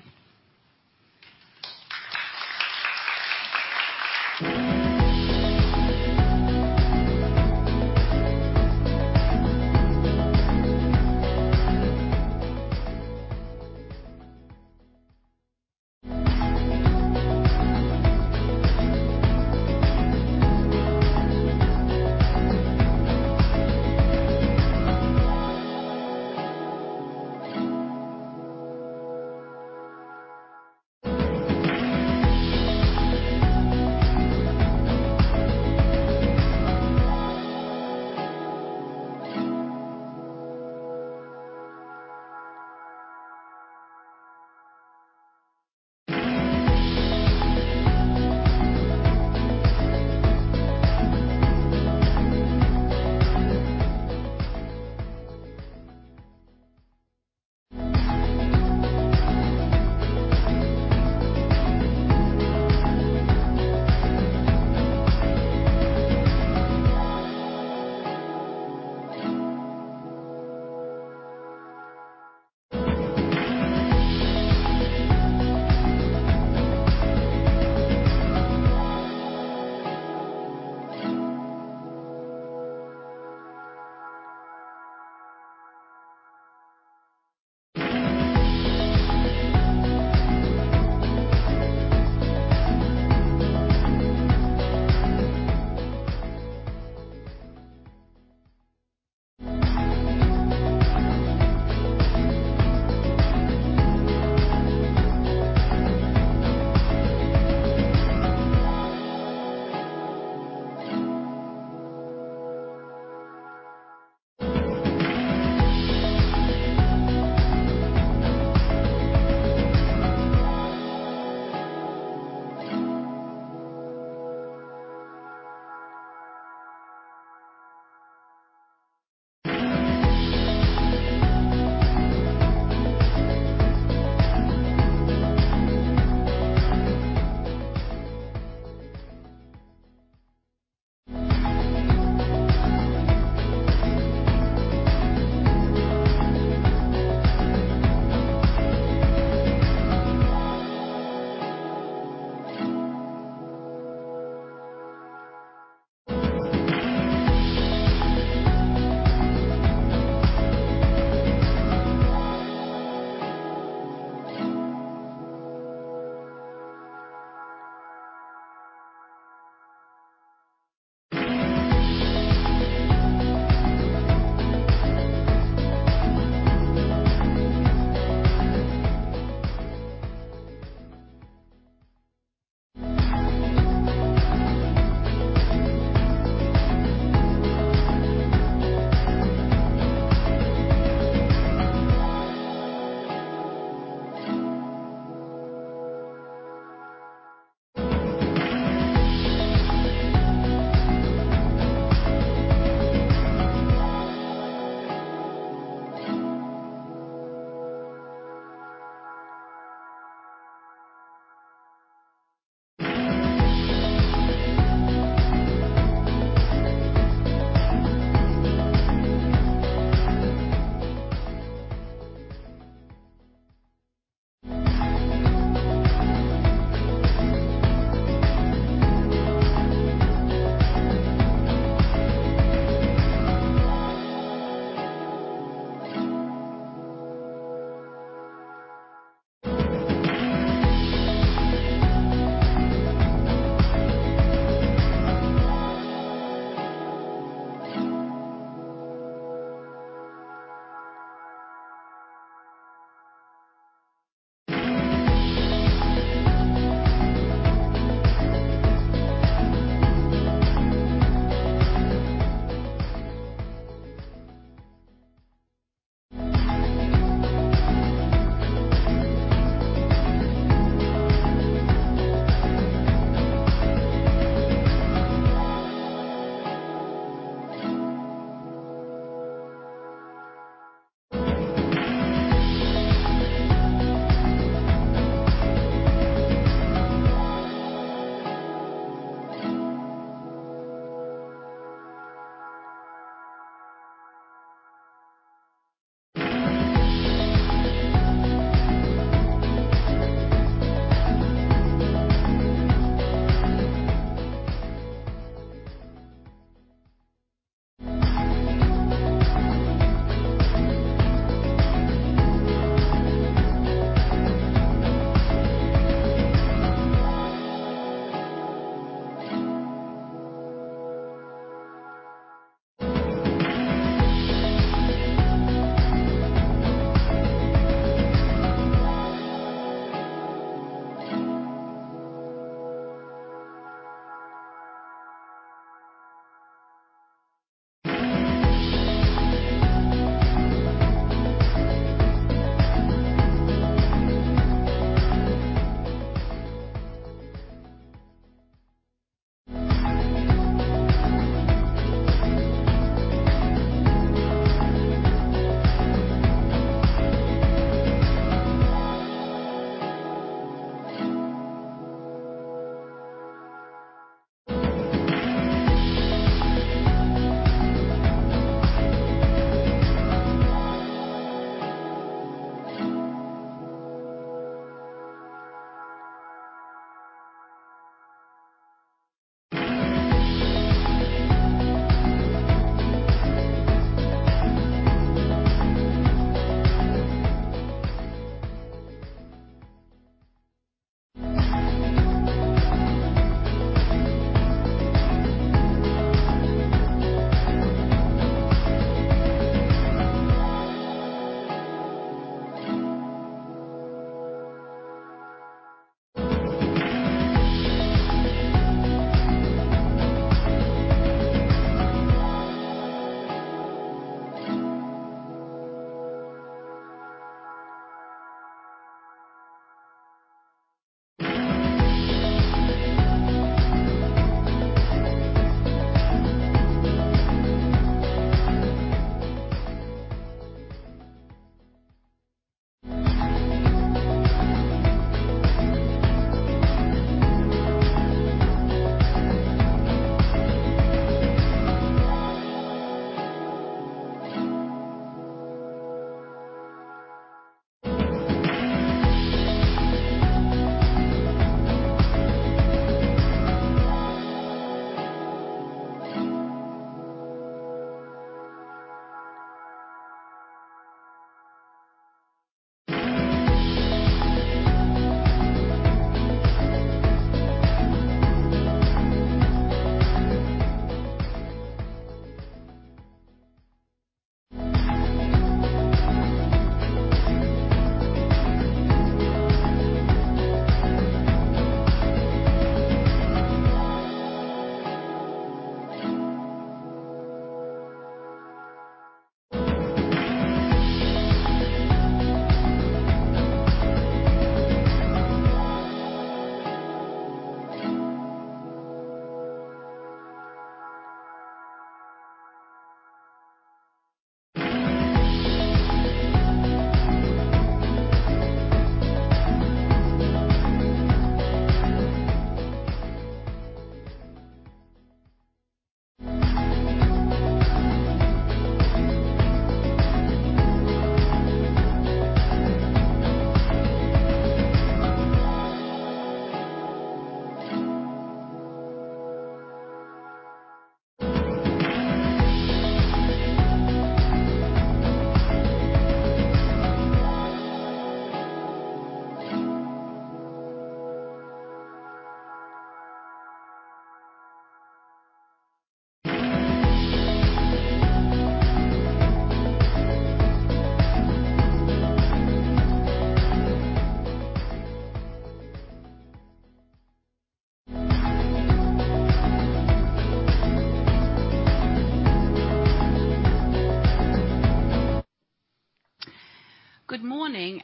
Good morning,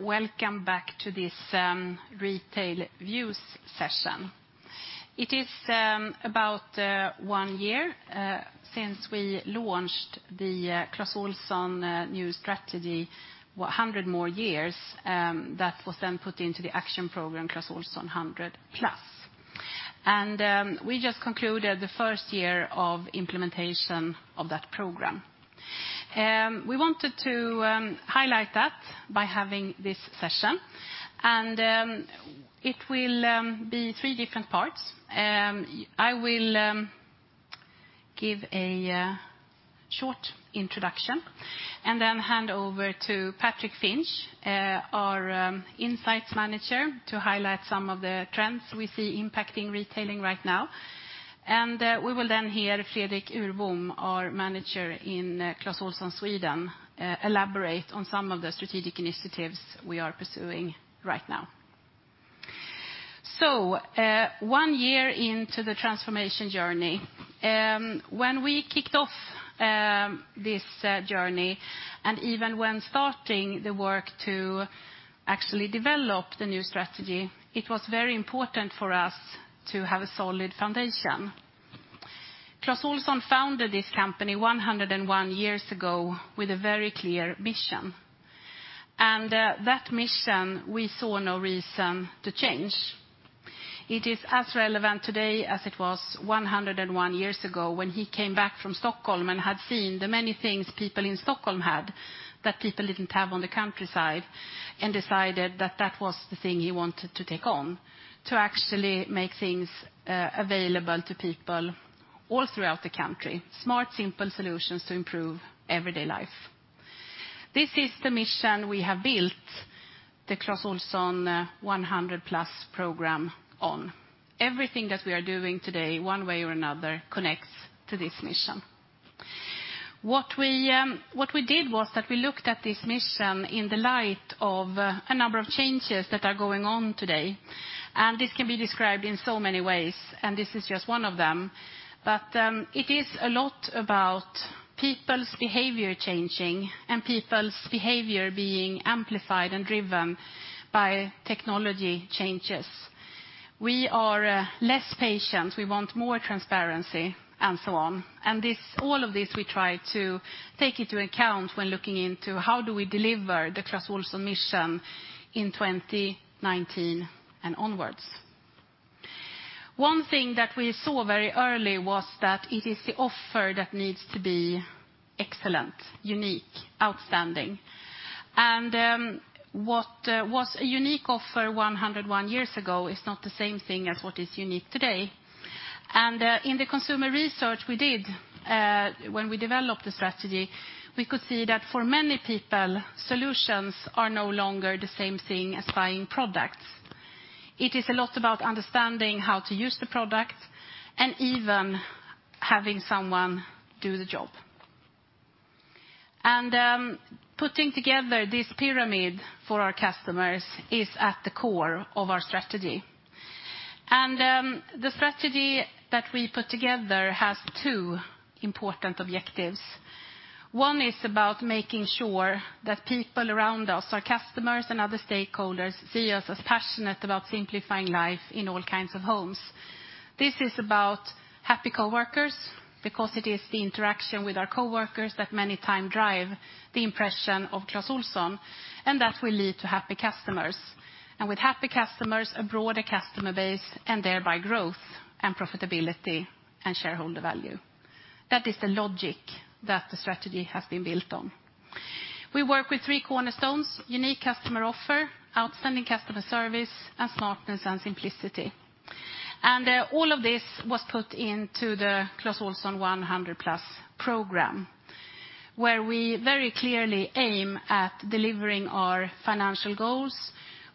welcome back to this Retail Views session. It is about one year since we launched the Clas Ohlson new strategy, 100 More Years, that was then put into the action program, CO100+. We just concluded the first year of implementation of that program. We wanted to highlight that by having this session. It will be three different parts. I will give a short introduction and then hand over to Patrick Finch, our Insights Manager, to highlight some of the trends we see impacting retailing right now. We will then hear Fredrik Uhrbom, our manager in Clas Ohlson Sweden, elaborate on some of the strategic initiatives we are pursuing right now. One year into the transformation journey. When we kicked off this journey, even when starting the work to actually develop the new strategy, it was very important for us to have a solid foundation. Clas Ohlson founded this company 101 years ago with a very clear mission, that mission we saw no reason to change. It is as relevant today as it was 101 years ago when he came back from Stockholm and had seen the many things people in Stockholm had that people didn't have on the countryside and decided that that was the thing he wanted to take on, to actually make things available to people all throughout the country. Smart, simple solutions to improve everyday life. This is the mission we have built the CO100+ program on. Everything that we are doing today, one way or another, connects to this mission. What we did was that we looked at this mission in the light of a number of changes that are going on today. This can be described in so many ways, and this is just one of them. It is a lot about people's behavior changing and people's behavior being amplified and driven by technology changes. We are less patient, we want more transparency, and so on. All of this, we try to take into account when looking into how do we deliver the Clas Ohlson mission in 2019 and onwards. One thing that we saw very early was that it is the offer that needs to be excellent, unique, outstanding. What was a unique offer 101 years ago is not the same thing as what is unique today. In the consumer research we did when we developed the strategy, we could see that for many people, solutions are no longer the same thing as buying products. It is a lot about understanding how to use the product and even having someone do the job. Putting together this pyramid for our customers is at the core of our strategy. The strategy that we put together has two important objectives. One is about making sure that people around us, our customers and other stakeholders, see us as passionate about simplifying life in all kinds of homes. This is about happy coworkers, because it is the interaction with our coworkers that many time drive the impression of Clas Ohlson, and that will lead to happy customers. With happy customers, a broader customer base, and thereby growth and profitability and shareholder value. That is the logic that the strategy has been built on. We work with 3 cornerstones: unique customer offer, outstanding customer service, and smartness and simplicity. All of this was put into the CO100+ program, where we very clearly aim at delivering our financial goals.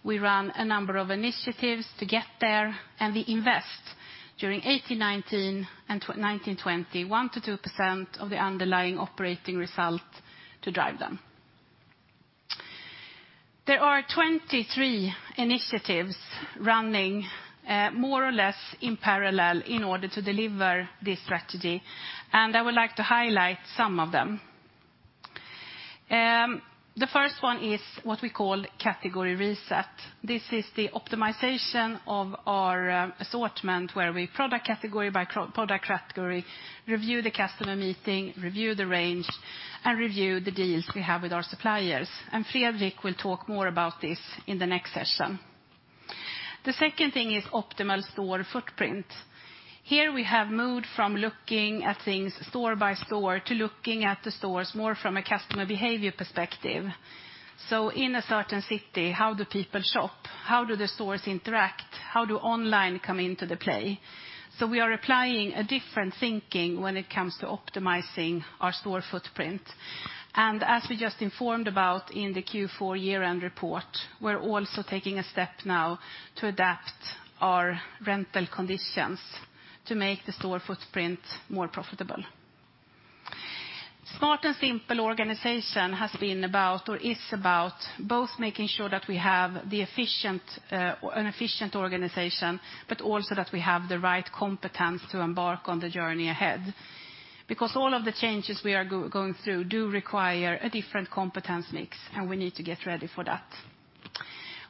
We run a number of initiatives to get there. We invest during 2018-2019 and 2019-2020, 1%-2% of the underlying operating result to drive them. There are 23 initiatives running, more or less in parallel in order to deliver this strategy. I would like to highlight some of them. The first one is what we call category reset. This is the optimization of our assortment where we product category by product category, review the customer meeting, review the range, and review the deals we have with our suppliers. Fredrik will talk more about this in the next session. The second thing is optimal store footprint. Here we have moved from looking at things store by store to looking at the stores more from a customer behavior perspective. In a certain city, how do people shop? How do the stores interact? How do online come into the play? We are applying a different thinking when it comes to optimizing our store footprint. As we just informed about in the Q4 year-end report, we're also taking a step now to adapt our rental conditions to make the store footprint more profitable. Smart and simple organization has been about, or is about both making sure that we have an efficient organization, but also that we have the right competence to embark on the journey ahead. All of the changes we are going through do require a different competence mix, and we need to get ready for that.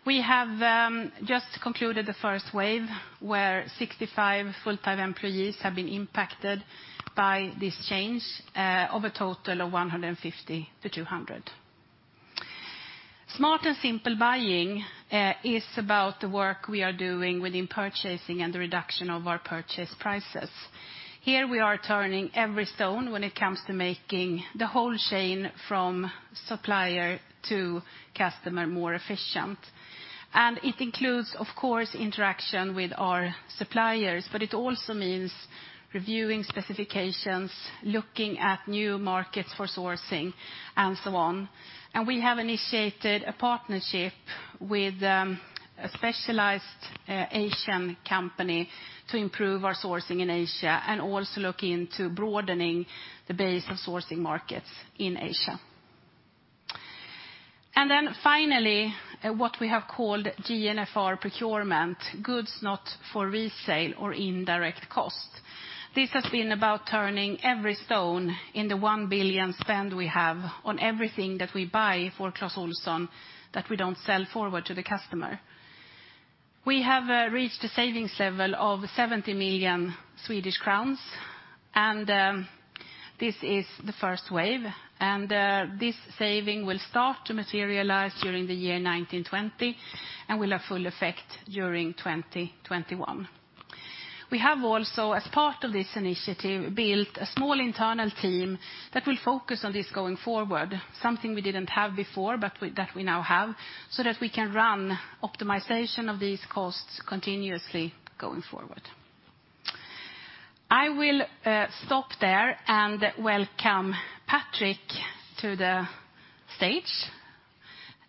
We have just concluded the first wave, where 65 full-time employees have been impacted by this change, of a total of 150 to 200. Smart and simple buying, is about the work we are doing within purchasing and the reduction of our purchase prices. Here we are turning every stone when it comes to making the whole chain from supplier to customer more efficient. It includes, of course, interaction with our suppliers, but it also means reviewing specifications, looking at new markets for sourcing, and so on. We have initiated a partnership with, a specialized, Asian company to improve our sourcing in Asia and also look into broadening the base of sourcing markets in Asia. Finally, what we have called GNFR procurement, goods not for resale or indirect cost. This has been about turning every stone in the 1 billion spend we have on everything that we buy for Clas Ohlson that we don't sell forward to the customer. We have reached a savings level of 70 million Swedish crowns, this is the first wave. This saving will start to materialize during the year 2020 and will have full effect during 2021. We have also, as part of this initiative, built a small internal team that will focus on this going forward, something we didn't have before, that we now have, so that we can run optimization of these costs continuously going forward. I will stop there and welcome Patrick to the stage.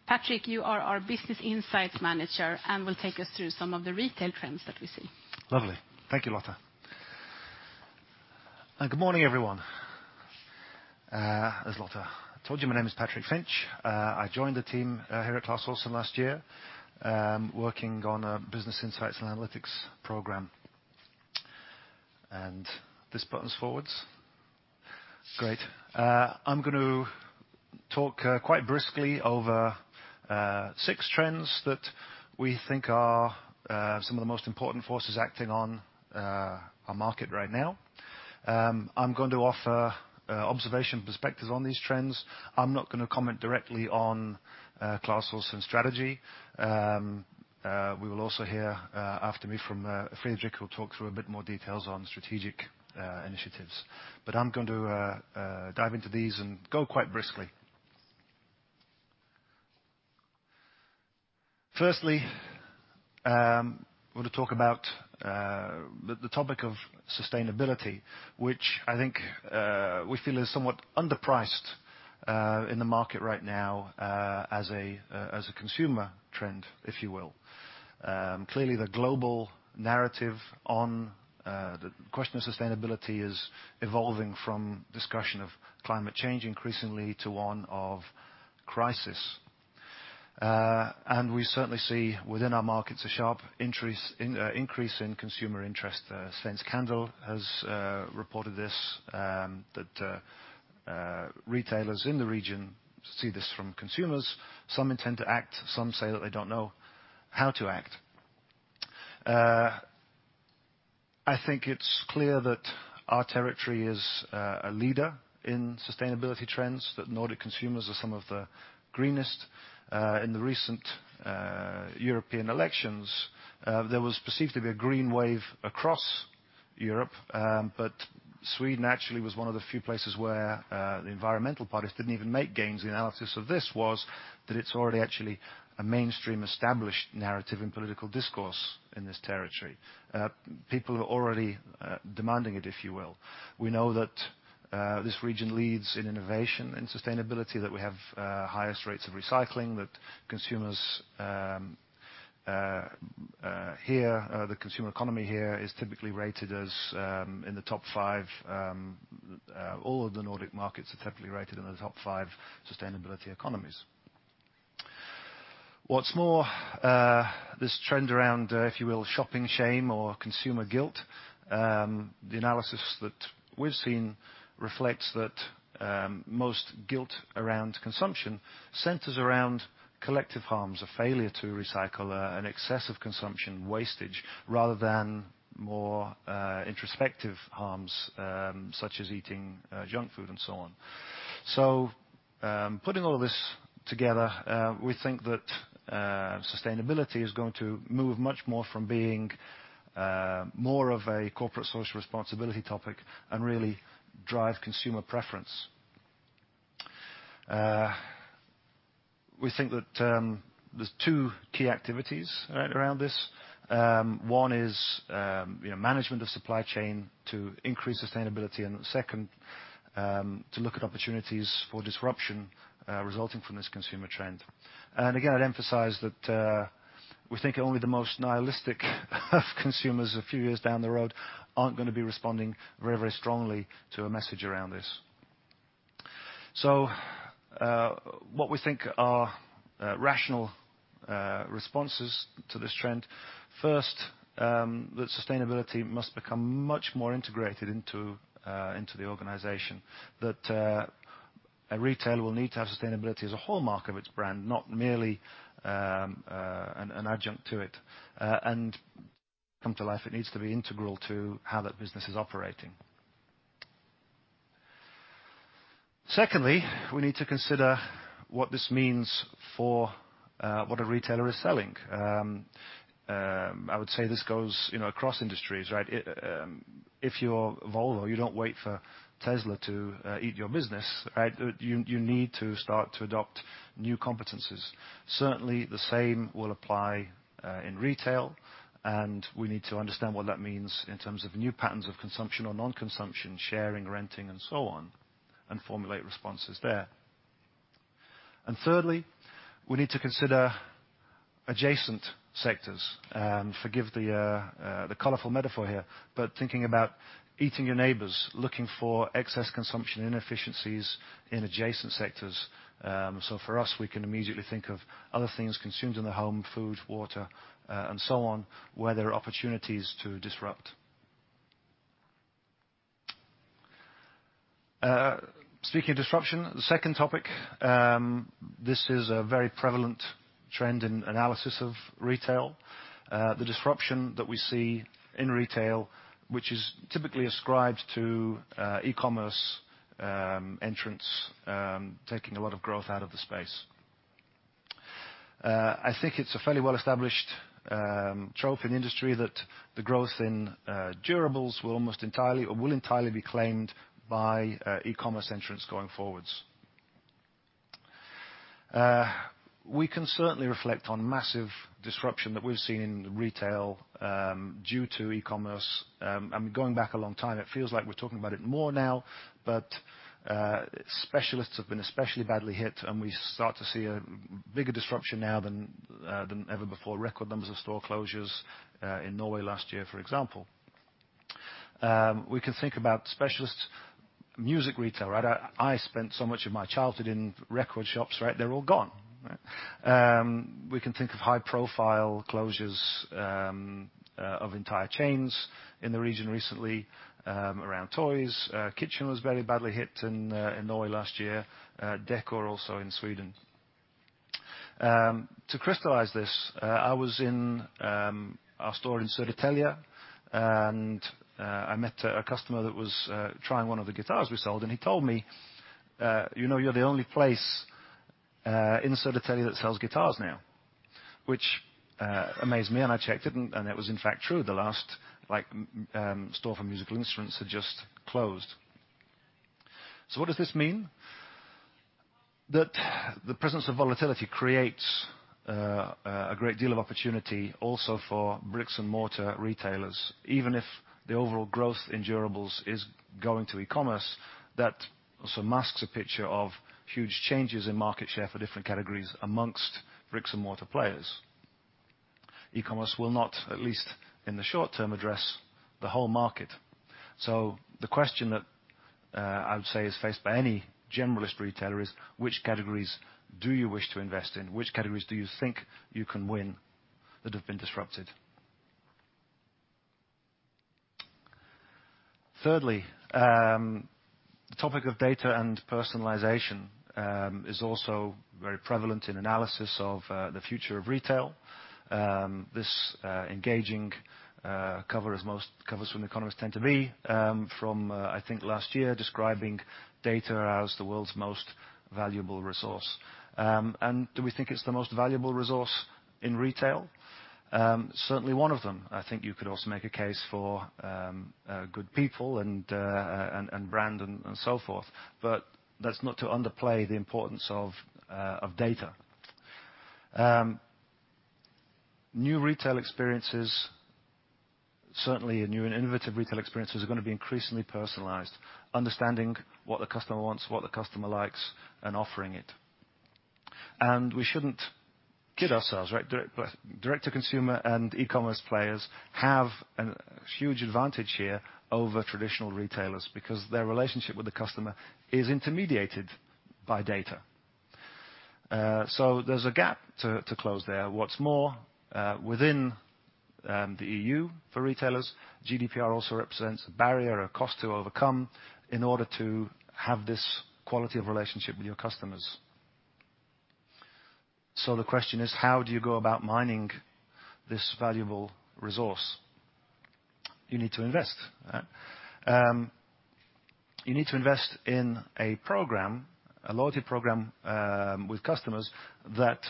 Patrick, you are our business insights manager and will take us through some of the retail trends that we see. Lovely. Thank you, Lotta. Good morning, everyone. As Lotta told you, my name is Patrick Finch. I joined the team here at Clas Ohlson last year, working on a business insights and analytics program. This buttons forwards. Great. I'm gonna talk quite briskly over six trends that we think are some of the most important forces acting on our market right now. I'm going to offer observation perspectives on these trends. I'm not gonna comment directly on Clas Ohlson strategy. We will also hear after me from Fredrik, who'll talk through a bit more details on strategic initiatives. I'm going to dive into these and go quite briskly. Firstly, I want to talk about the topic of sustainability, which I think we feel is somewhat underpriced in the market right now as a consumer trend, if you will. Clearly the global narrative on the question of sustainability is evolving from discussion of climate change increasingly to one of crisis. We certainly see within our markets a sharp increase in consumer interest. Svensk Handel has reported this that retailers in the region see this from consumers. Some intend to act, some say that they don't know how to act. I think it's clear that our territory is a leader in sustainability trends, that Nordic consumers are some of the greenest. In the recent European elections, there was perceived to be a green wave across Europe. Sweden actually was one of the few places where the environmental parties didn't even make gains. The analysis of this was that it's already actually a mainstream established narrative in political discourse in this territory. People are already demanding it, if you will. We know that this region leads in innovation and sustainability, that we have highest rates of recycling, that consumers here, the consumer economy here is typically rated as in the top five, all of the Nordic markets are typically rated in the top five sustainability economies. This trend around, if you will, shopping shame or consumer guilt, the analysis that we've seen reflects that most guilt around consumption centers around collective harms or failure to recycle, and excessive consumption wastage, rather than more introspective harms, such as eating junk food and so on. Putting all this together, we think that sustainability is going to move much more from being more of a corporate social responsibility topic and really drive consumer preference. We think that there's two key activities around this. One is, you know, management of supply chain to increase sustainability, and the second, to look at opportunities for disruption, resulting from this consumer trend. Again, I'd emphasize that we think only the most nihilistic of consumers a few years down the road aren't gonna be responding very, very strongly to a message around this. What we think are rational responses to this trend, first, that sustainability must become much more integrated into the organization, that a retailer will need to have sustainability as a hallmark of its brand, not merely an adjunct to it. Come to life, it needs to be integral to how that business is operating. Secondly, we need to consider what this means for what a retailer is selling. I would say this goes, you know, across industries, right? If you're Volvo, you don't wait for Tesla to eat your business, right? You need to start to adopt new competencies. Certainly, the same will apply, in retail, and we need to understand what that means in terms of new patterns of consumption or non-consumption, sharing, renting and so on, and formulate responses there. Thirdly, we need to consider adjacent sectors. Forgive the colorful metaphor here, but thinking about eating your neighbors, looking for excess consumption inefficiencies in adjacent sectors. So for us, we can immediately think of other things consumed in the home, food, water, and so on, where there are opportunities to disrupt. Speaking of disruption, the second topic, this is a very prevalent trend in analysis of retail. The disruption that we see in retail, which is typically ascribed to e-commerce, entrants, taking a lot of growth out of the space. I think it's a fairly well-established trope in the industry that the growth in durables will almost entirely or will entirely be claimed by e-commerce entrants going forwards. We can certainly reflect on massive disruption that we've seen in retail due to e-commerce. I mean, going back a long time, it feels like we're talking about it more now, but specialists have been especially badly hit, and we start to see a bigger disruption now than ever before. Record numbers of store closures in Norway last year, for example. We can think about specialist music retailer. I spent so much of my childhood in record shops, right? They're all gone, right? We can think of high-profile closures of entire chains in the region recently around toys. Kitchen was very badly hit in Norway last year. Decor also in Sweden. To crystallize this, I was in our store in Södertälje, and I met a customer that was trying one of the guitars we sold, and he told me, "You know, you're the only place in Södertälje that sells guitars now," which amazed me, and it was in fact true. The last, like, store for musical instruments had just closed. What does this mean? That the presence of volatility creates a great deal of opportunity also for bricks and mortar retailers, even if the overall growth in durables is going to e-commerce, that also masks a picture of huge changes in market share for different categories amongst bricks and mortar players. E-commerce will not, at least in the short term, address the whole market. The question that I would say is faced by any generalist retailer is which categories do you wish to invest in? Which categories do you think you can win that have been disrupted? Thirdly, the topic of data and personalization is also very prevalent in analysis of the future of retail. This engaging cover as most covers from The Economist tend to be, from I think last year describing data as the world's most valuable resource. Do we think it's the most valuable resource in retail? Certainly one of them. I think you could also make a case for good people and brand and so forth. That's not to underplay the importance of data. New retail experiences. Certainly in new and innovative retail experiences are going to be increasingly personalized, understanding what the customer wants, what the customer likes, and offering it. We shouldn't kid ourselves, right? Direct to consumer and e-commerce players have a huge advantage here over traditional retailers because their relationship with the customer is intermediated by data. So there's a gap to close there. What's more, within the EU for retailers, GDPR also represents a barrier or cost to overcome in order to have this quality of relationship with your customers. The question is, how do you go about mining this valuable resource? You need to invest. You need to invest in a program, a loyalty program, with customers that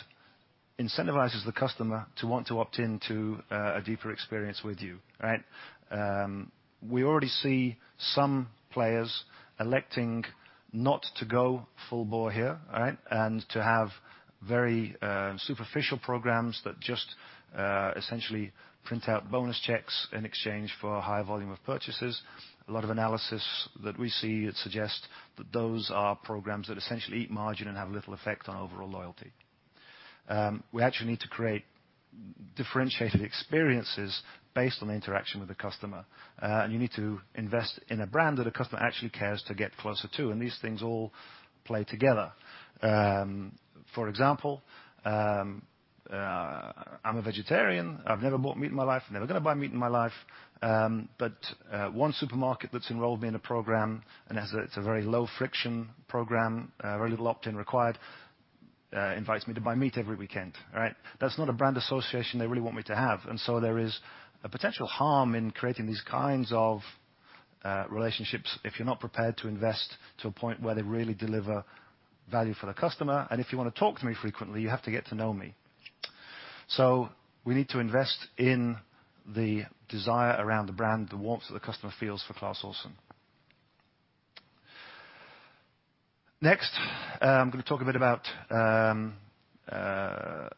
incentivizes the customer to want to opt into a deeper experience with you, right. We already see some players electing not to go full bore here, right? To have very superficial programs that just essentially print out bonus checks in exchange for a high volume of purchases. A lot of analysis that we see, it suggests that those are programs that essentially eat margin and have little effect on overall loyalty. We actually need to create differentiated experiences based on the interaction with the customer. You need to invest in a brand that a customer actually cares to get closer to, and these things all play together. For example, I'm a vegetarian. I've never bought meat in my life, never gonna buy meat in my life. One supermarket that's enrolled me in a program, and as I said, it's a very low-friction program, very little opt-in required, invites me to buy meat every weekend, right? That's not a brand association they really want me to have. There is a potential harm in creating these kinds of relationships if you're not prepared to invest to a point where they really deliver value for the customer. If you want to talk to me frequently, you have to get to know me. We need to invest in the desire around the brand, the warmth that the customer feels for Clas Ohlson. I'm gonna talk a bit about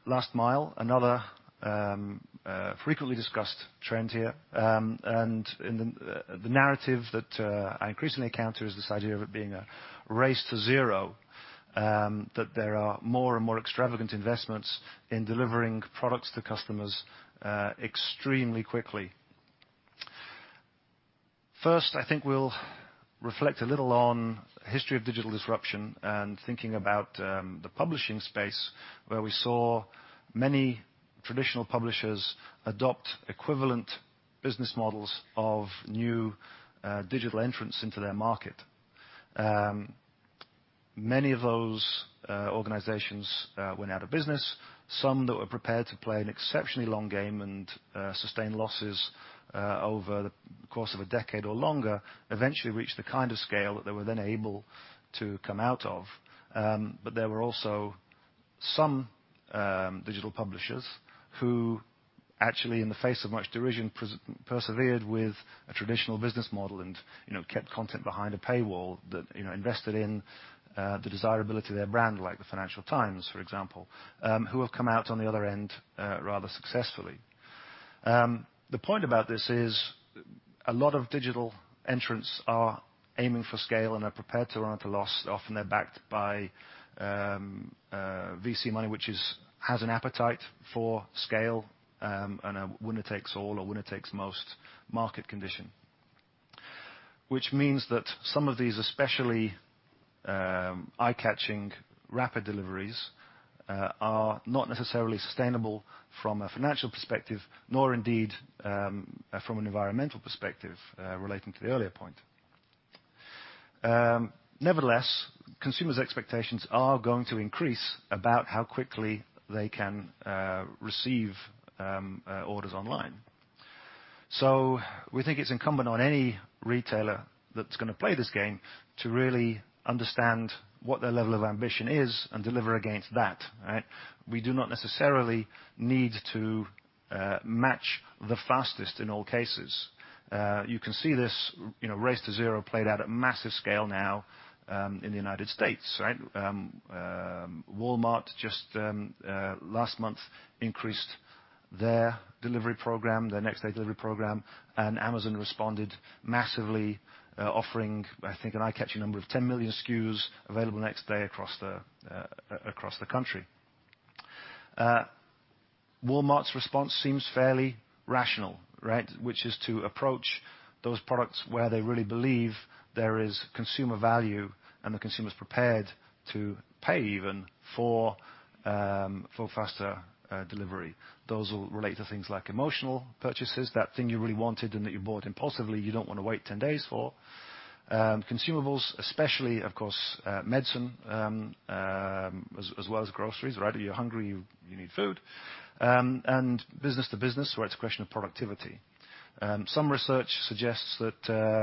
last mile, another frequently discussed trend here. In the narrative that I increasingly encounter is this idea of it being a race to zero, that there are more and more extravagant investments in delivering products to customers extremely quickly. First, I think we'll reflect a little on history of digital disruption and thinking about the publishing space, where we saw many traditional publishers adopt equivalent business models of new digital entrants into their market. Many of those organizations went out of business. Some that were prepared to play an exceptionally long game and sustain losses over the course of a decade or longer, eventually reached the kind of scale that they were then able to come out of. But there were also some digital publishers who actually, in the face of much derision, persevered with a traditional business model and, you know, kept content behind a paywall that, you know, invested in the desirability of their brand, like the Financial Times, for example, who have come out on the other end rather successfully. The point about this is a lot of digital entrants are aiming for scale and are prepared to run at a loss. Often, they're backed by VC money, which is, has an appetite for scale, and a winner takes all or winner takes most market condition. Which means that some of these, especially eye-catching rapid deliveries, are not necessarily sustainable from a financial perspective, nor indeed from an environmental perspective, relating to the earlier point. Nevertheless, consumers' expectations are going to increase about how quickly they can receive orders online. We think it's incumbent on any retailer that's gonna play this game to really understand what their level of ambition is and deliver against that, right? We do not necessarily need to match the fastest in all cases. You can see this, you know, race to zero played out at massive scale now in the United States, right? Walmart just last month increased their delivery program, their next day delivery program, and Amazon responded massively, offering, I think, an eye-catching number of 10 million SKUs available next day across the across the country. Walmart's response seems fairly rational, right? Which is to approach those products where they really believe there is consumer value and the consumer's prepared to pay even for faster delivery. Those will relate to things like emotional purchases, that thing you really wanted and that you bought impulsively, you don't wanna wait 10 days for. Consumables, especially, of course, medicine, as well as groceries, right? You're hungry, you need food. Business to business, where it's a question of productivity. Some research suggests that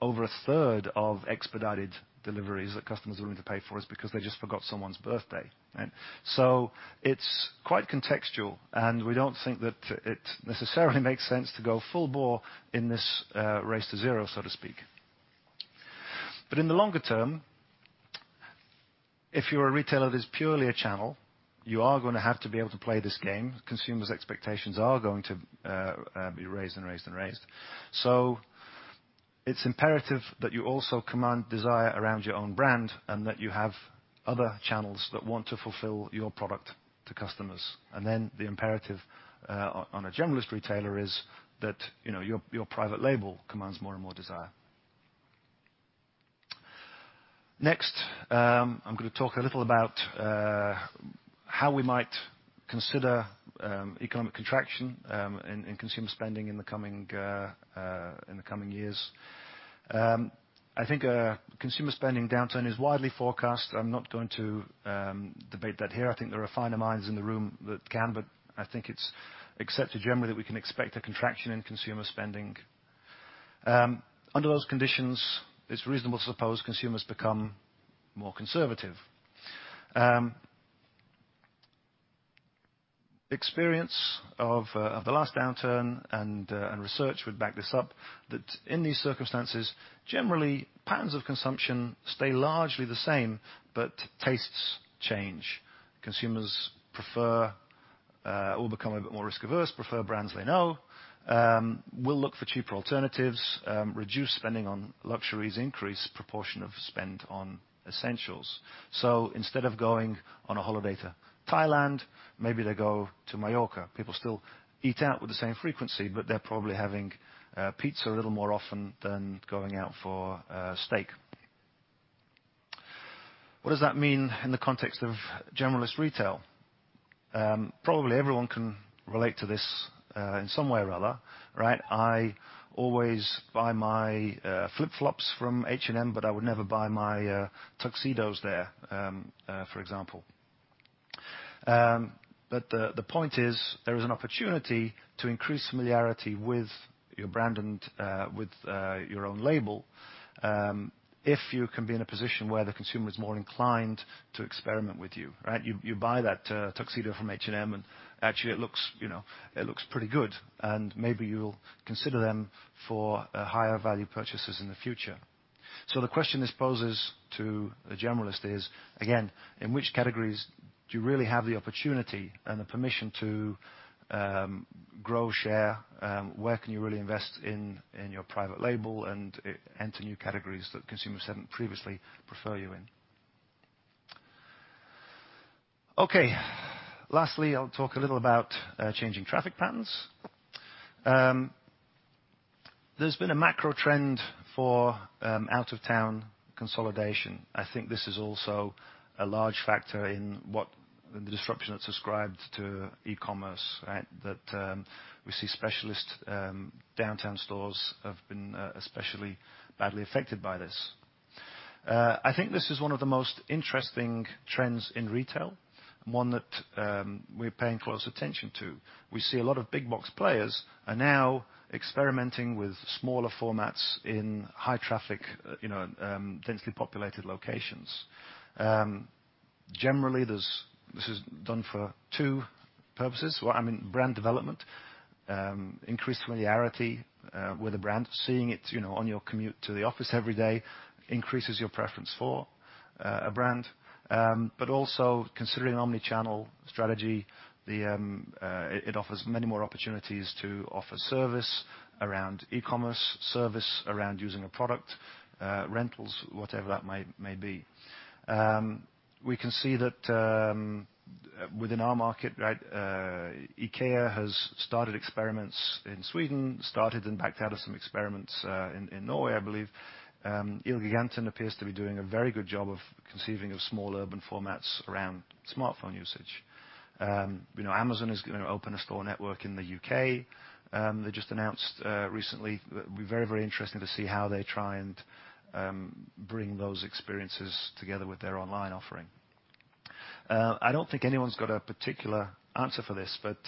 over a third of expedited deliveries that customers are willing to pay for is because they just forgot someone's birthday. It's quite contextual, and we don't think that it necessarily makes sense to go full bore in this race to zero, so to speak. In the longer term. If you're a retailer that's purely a channel, you are gonna have to be able to play this game. Consumers' expectations are going to be raised, and raised, and raised. It's imperative that you also command desire around your own brand, and that you have other channels that want to fulfill your product to customers. Then the imperative on a generalist retailer is that, you know, your private label commands more and more desire. Next, I'm gonna talk a little about how we might consider economic contraction in consumer spending in the coming years. I think a consumer spending downturn is widely forecast. I'm not going to debate that here. I think there are finer minds in the room that can, I think it's accepted generally that we can expect a contraction in consumer spending. Under those conditions, it's reasonable to suppose consumers become more conservative. Experience of the last downturn, and research would back this up, that in these circumstances, generally patterns of consumption stay largely the same, but tastes change. Consumers prefer, or become a bit more risk averse, prefer brands they know, will look for cheaper alternatives, reduce spending on luxuries, increase proportion of spend on essentials. Instead of going on a holiday to Thailand, maybe they go to Majorca. People still eat out with the same frequency, but they're probably having pizza a little more often than going out for steak. What does that mean in the context of generalist retail? Probably everyone can relate to this in some way or other, right? I always buy my flip-flops from H&M, but I would never buy my tuxedos there, for example. The point is, there is an opportunity to increase familiarity with your brand and with your own label, if you can be in a position where the consumer is more inclined to experiment with you, right? You buy that tuxedo from H&M, and actually it looks, you know, it looks pretty good, and maybe you'll consider them for higher value purchases in the future. The question this poses to a generalist is, again, in which categories do you really have the opportunity and the permission to grow, share? Where can you really invest in your private label and enter new categories that consumers haven't previously referred you in? Okay. Lastly, I'll talk a little about changing traffic patterns. There's been a macro trend for out of town consolidation. I think this is also a large factor in what the disruption that's ascribed to e-commerce, right? That we see specialist downtown stores have been especially badly affected by this. I think this is one of the most interesting trends in retail, and one that we're paying close attention to. We see a lot of big box players are now experimenting with smaller formats in high traffic, you know, densely populated locations. Generally, this is done for two purposes. Well, I mean, brand development, increased familiarity with a brand. Seeing it, you know, on your commute to the office every day increases your preference for a brand. Also considering omni-channel strategy, it offers many more opportunities to offer service around e-commerce, service around using a product, rentals, whatever that may be. We can see that within our market, right, IKEA has started experiments in Sweden, started in fact had some experiments in Norway, I believe. Elgiganten appears to be doing a very good job of conceiving of small urban formats around smartphone usage. You know, Amazon is gonna open a store network in the U.K., they just announced recently. Very, very interesting to see how they try and bring those experiences together with their online offering. I don't think anyone's got a particular answer for this, but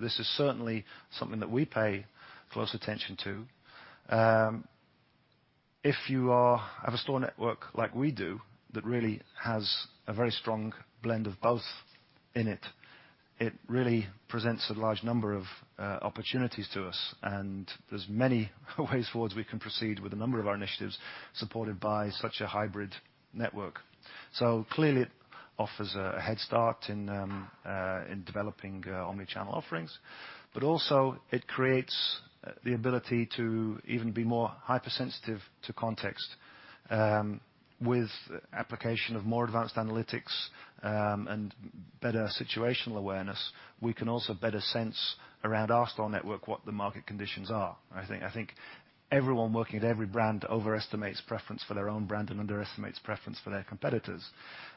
this is certainly something that we pay close attention to. If you have a store network like we do that really has a very strong blend of both in it really presents a large number of opportunities to us, and there's many ways forwards we can proceed with a number of our initiatives supported by such a hybrid network. Clearly it offers a head start in developing omni-channel offerings, but also it creates the ability to even be more hypersensitive to context. With application of more advanced analytics, and better situational awareness, we can also better sense around our store network what the market conditions are, I think. I think everyone working at every brand overestimates preference for their own brand and underestimates preference for their competitors.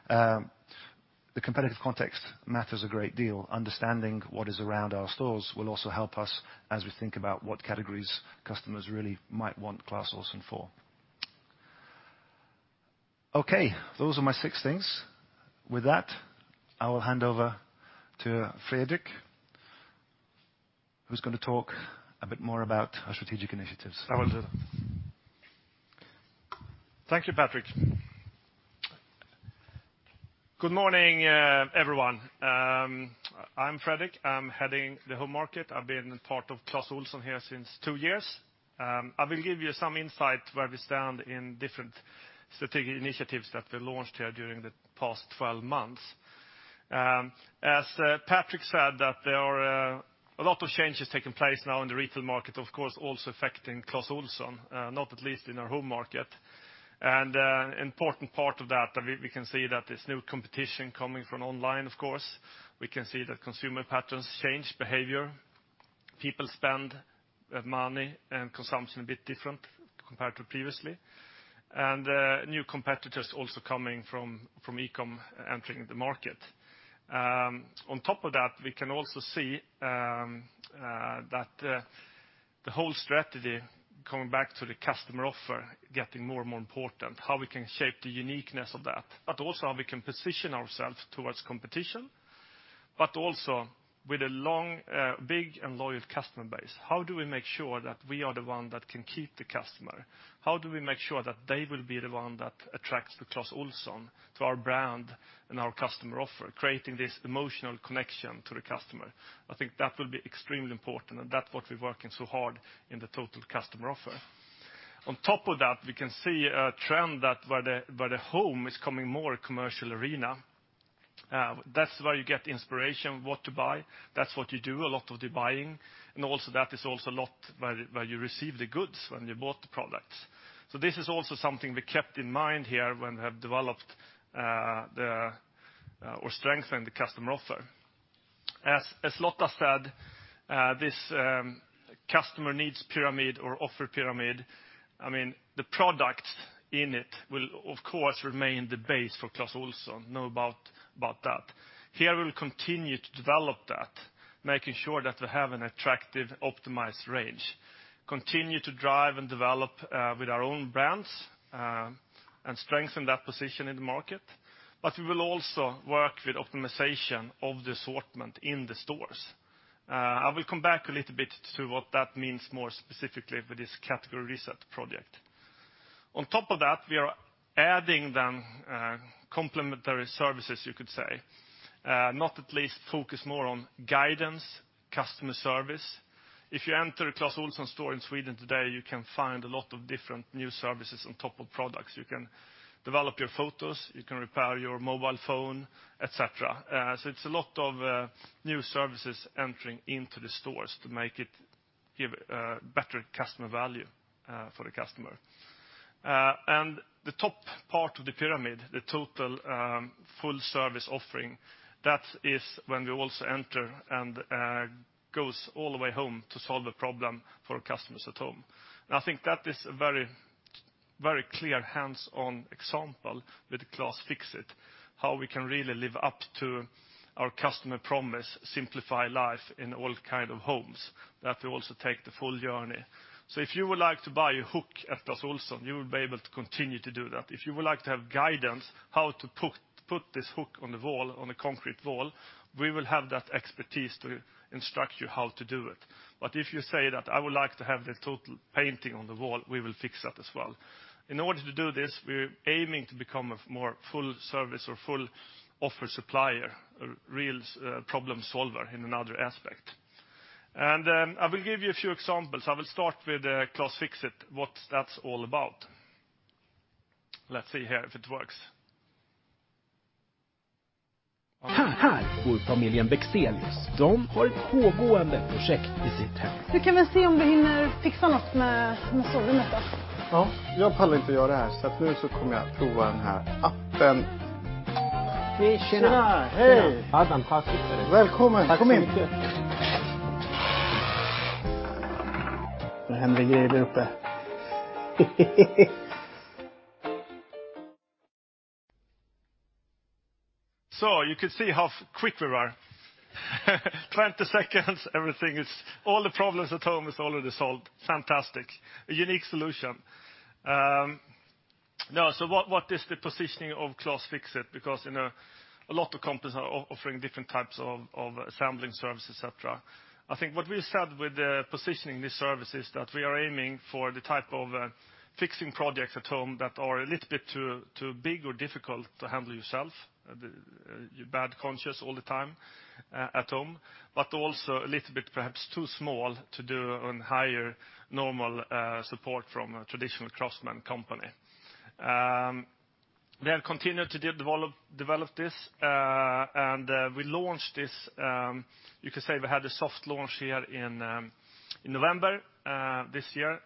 The competitive context matters a great deal. Understanding what is around our stores will also help us as we think about what categories customers really might want Clas Ohlson for. Okay. Those are my six things. With that, I will hand over to Fredrik, who's gonna talk a bit more about our strategic initiatives. I will do that. Thank you, Patrick. Good morning, everyone. I'm Fredrik. I'm heading the home market. I've been part of Clas Ohlson here since two years. I will give you some insight where we stand in different strategic initiatives that were launched here during the past 12 months. As Patrick said that there are a lot of changes taking place now in the retail market, of course, also affecting Clas Ohlson, not at least in our home market. An important part of that, we can see that there's new competition coming from online, of course. We can see that consumer patterns change behavior. People spend money and consumption a bit different compared to previously. New competitors also coming from e-com entering the market. On top of that, we can also see that the whole strategy coming back to the customer offer getting more and more important, how we can shape the uniqueness of that, but also how we can position ourselves towards competition, but also with a long, big and loyal customer base. How do we make sure that we are the one that can keep the customer? How do we make sure that they will be the one that attracts the Clas Ohlson to our brand and our customer offer, creating this emotional connection to the customer? I think that will be extremely important, and that's what we're working so hard in the total customer offer. On top of that, we can see a trend that where the home is becoming more commercial arena. That's where you get inspiration what to buy. That's what you do a lot of the buying. That is also a lot where you receive the goods when you bought the products. This is also something we kept in mind here when we have developed or strengthened the customer offer. As Lotta said, this customer needs pyramid or offer pyramid, I mean, the product in it will of course remain the base for Clas Ohlson. No about that. Here, we'll continue to develop that, making sure that we have an attractive, optimized range, continue to drive and develop with our own brands and strengthen that position in the market. We will also work with optimization of the assortment in the stores. I will come back a little bit to what that means more specifically with this category research project. On top of that, we are adding then, complementary services, you could say, not at least focus more on guidance, customer service. If you enter a Clas Ohlson store in Sweden today, you can find a lot of different new services on top of products. You can develop your photos, you can repair your mobile phone, et cetera. It's a lot of new services entering into the stores to make it give better customer value for the customer. The top part of the pyramid, the total, full service offering, that is when we also enter and goes all the way home to solve a problem for our customers at home. I think that is a very, very clear hands-on example with Clas Fix it, how we can really live up to our customer promise, simplify life in all kind of homes, that we also take the full journey. If you would like to buy a hook at Clas Ohlson, you will be able to continue to do that. If you would like to have guidance how to put this hook on the wall, on a concrete wall, we will have that expertise to instruct you how to do it. If you say that I would like to have the total painting on the wall, we will fix that as well. In order to do this, we're aiming to become a more full service or full offer supplier, a real problem solver in another aspect. I will give you a few examples. I will start with Clas Fix it, what that's all about. Let's see here if it works. You could see how quick we were. 20 seconds, all the problems at home is already solved. Fantastic. A unique solution. Now, what is the positioning of Clas Fix it? Because, you know, a lot of companies are offering different types of assembling services, et cetera. I think what we said with positioning this service is that we are aiming for the type of fixing projects at home that are a little bit too big or difficult to handle yourself. The you're bad conscious all the time at home, but also a little bit perhaps too small to do on higher normal support from a traditional craftsman company. We have continued to develop this, and we launched this, you could say we had a soft launch here in November this year,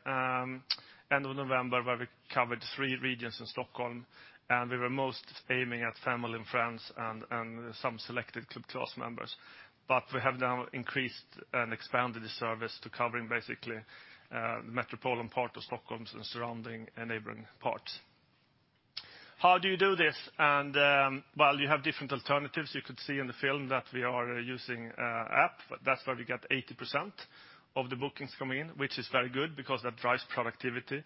end of November, where we covered three regions in Stockholm, and we were most aiming at family and friends and some selected Club Clas members. We have now increased and expanded the service to covering basically metropolitan part of Stockholms and surrounding enabling parts. How do you do this? Well, you have different alternatives. You could see in the film that we are using app. That's where we get 80% of the bookings coming in, which is very good because that drives productivity.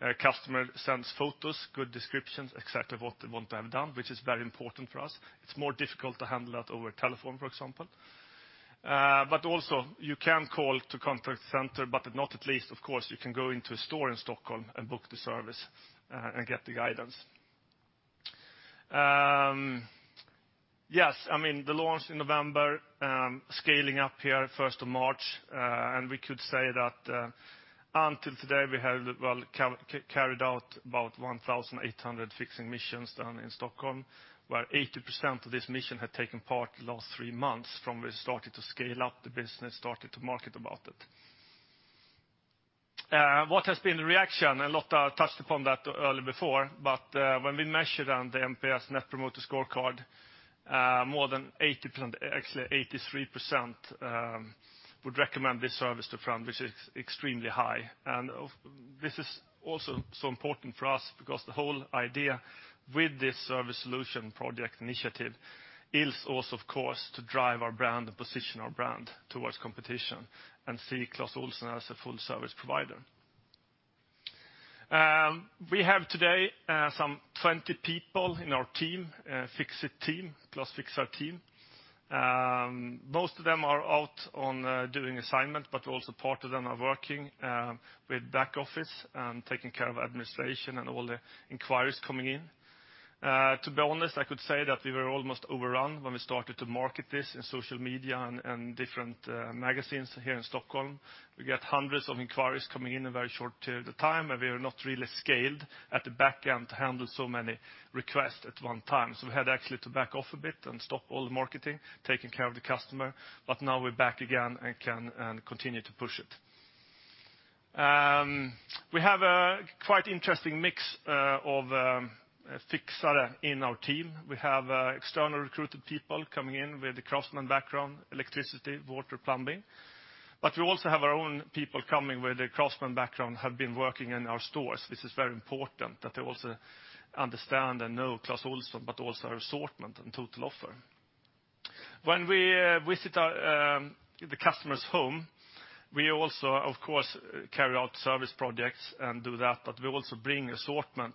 A customer sends photos, good descriptions, et cetera, what they want to have done, which is very important for us. It's more difficult to handle that over telephone, for example. Also you can call to contact center, but not at least, of course, you can go into a store in Stockholm and book the service and get the guidance. Yes, I mean, the launch in November, scaling up here first of March, and we could say that until today, we have carried out about 1,800 fixing missions done in Stockholm, where 80% of this mission had taken part the last three months from we started to scale up the business, started to market about it. What has been the reaction? Lotta touched upon that early before, when we measured on the NPS, Net Promoter Score, more than 80%, actually 83%, would recommend this service to a friend, which is extremely high. This is also so important for us because the whole idea with this service solution project initiative is also, of course, to drive our brand and position our brand towards competition and see Clas Ohlson as a full service provider. We have today, some 20 people in our team, Fix it team, Clas Fixare team. Most of them are out on doing assignment, but also part of them are working with back office and taking care of administration and all the inquiries coming in. To be honest, I could say that we were almost overrun when we started to market this in social media and different magazines here in Stockholm. We get hundreds of inquiries coming in a very short time, and we are not really scaled at the back end to handle so many requests at one time. We had actually to back off a bit and stop all the marketing, taking care of the customer. Now we're back again and can, and continue to push it. We have a quite interesting mix of Fixare in our team. We have external recruited people coming in with a craftsman background, electricity, water, plumbing. We also have our own people coming with a craftsman background, have been working in our stores. This is very important that they also understand and know Clas Ohlson, but also our assortment and total offer. When we visit the customer's home, we also, of course, carry out service projects and do that, but we also bring assortment.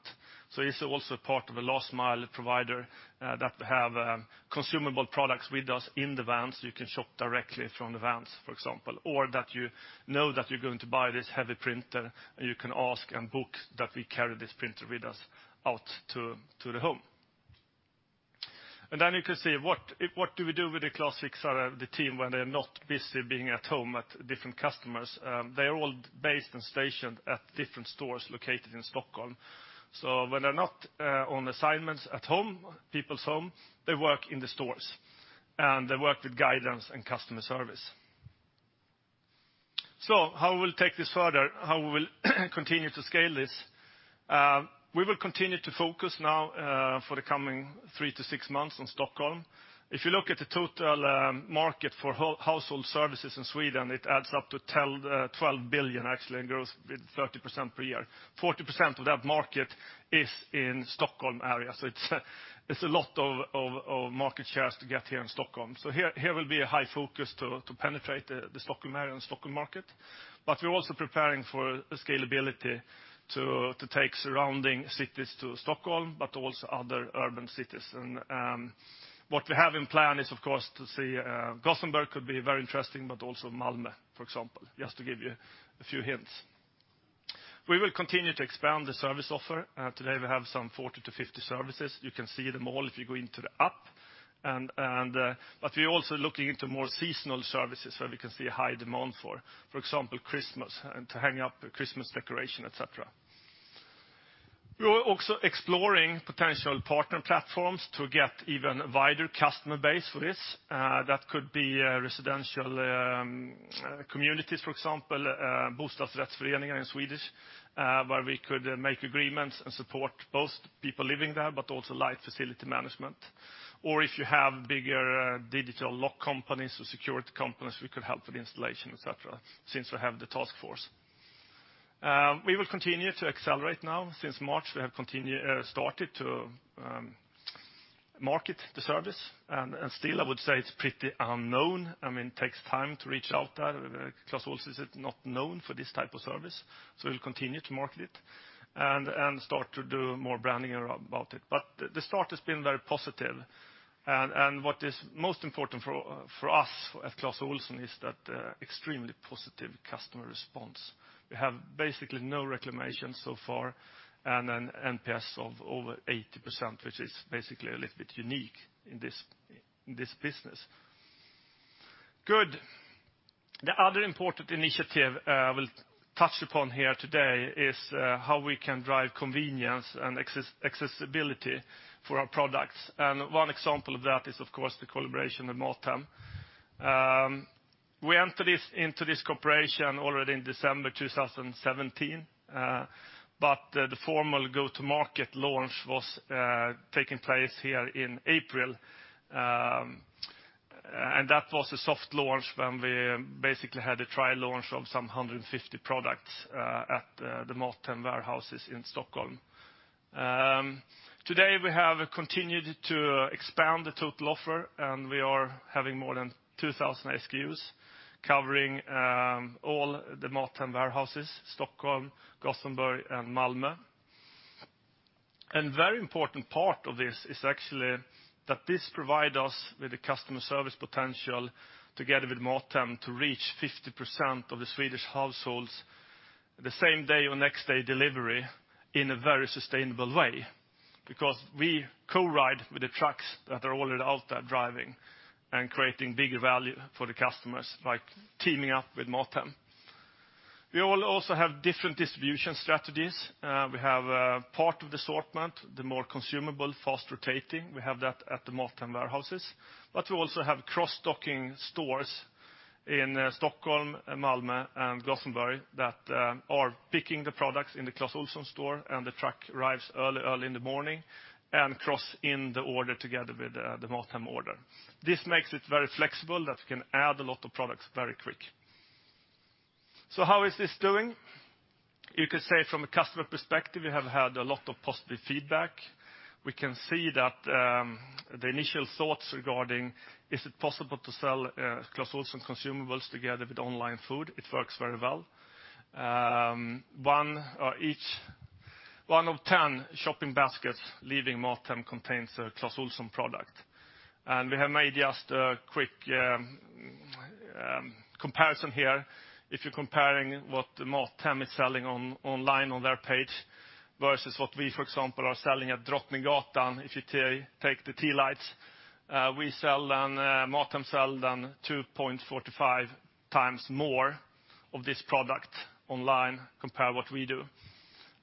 It's also part of a last mile provider that have consumable products with us in the vans. You can shop directly from the vans, for example, or that you know that you're going to buy this heavy printer, and you can ask and book that we carry this printer with us out to the home. Then you can see what do we do with the Clas Fixare, the team, when they're not busy being at home at different customers? They are all based and stationed at different stores located in Stockholm. When they're not on assignments at home, people's home, they work in the stores, and they work with guidance and customer service. How we'll take this further, how we will continue to scale this? We will continue to focus now for the coming three to six months on Stockholm. If you look at the total market for household services in Sweden, it adds up to 12 billion actually and grows with 30% per year. 40% of that market is in Stockholm area. It's a lot of market shares to get here in Stockholm. Here will be a high focus to penetrate the Stockholm area and Stockholm market. We're also preparing for scalability to take surrounding cities to Stockholm, but also other urban cities. What we have in plan is, of course, to see, Gothenburg could be very interesting, but also Malmö, for example, just to give you a few hints. We will continue to expand the service offer. Today we have some 40 to 50 services. You can see them all if you go into the app. We're also looking into more seasonal services where we can see high demand for example, Christmas, and to hang up Christmas decoration, et cetera. We are also exploring potential partner platforms to get even wider customer base for this. That could be residential communities, for example, Bostadsrättsföreningen in Swedish, where we could make agreements and support both people living there, but also light facility management. If you have bigger digital lock companies or security companies, we could help with installation, et cetera, since we have the task force. We will continue to accelerate now. Since March, we have started to market the service. Still, I would say it's pretty unknown. I mean, it takes time to reach out. Clas Ohlson is not known for this type of service, we'll continue to market it and start to do more branding around about it. The start has been very positive. What is most important for us at Clas Ohlson is that extremely positive customer response. We have basically no reclamations so far and an NPS of over 80%, which is basically a little bit unique in this business. Good. The other important initiative we'll touch upon here today is how we can drive convenience and accessibility for our products. One example of that is, of course, the collaboration with MatHem. We entered into this cooperation already in December 2017, but the formal go-to-market launch was taking place here in April. That was a soft launch when we basically had a trial launch of some 150 products at the MatHem warehouses in Stockholm. Today we have continued to expand the total offer, and we are having more than 2,000 SKUs covering all the MatHem warehouses, Stockholm, Gothenburg, and Malmo. Very important part of this is actually that this provide us with the customer service potential together with MatHem to reach 50% of the Swedish households the same day or next day delivery in a very sustainable way. Because we co-ride with the trucks that are already out there driving and creating bigger value for the customers by teaming up with MatHem. We will also have different distribution strategies. We have part of the assortment, the more consumable, fast rotating, we have that at the MatHem warehouses. We also have cross-docking stores in Stockholm, Malmo, and Gothenburg that are picking the products in the Clas Ohlson store, and the truck arrives early in the morning and cross in the order together with the MatHem order. This makes it very flexible that we can add a lot of products very quick. How is this doing? You could say from a customer perspective, we have had a lot of positive feedback. We can see that the initial thoughts regarding is it possible to sell Clas Ohlson consumables together with online food, it works very well. One of 10 shopping baskets leaving MatHem contains a Clas Ohlson product. We have made just a quick comparison here. If you're comparing what MatHem is selling online on their page versus what we, for example, are selling at Drottninggatan, if you take the tea lights, we sell then, MatHem sell then 2.45 times more of this product online compare what we do.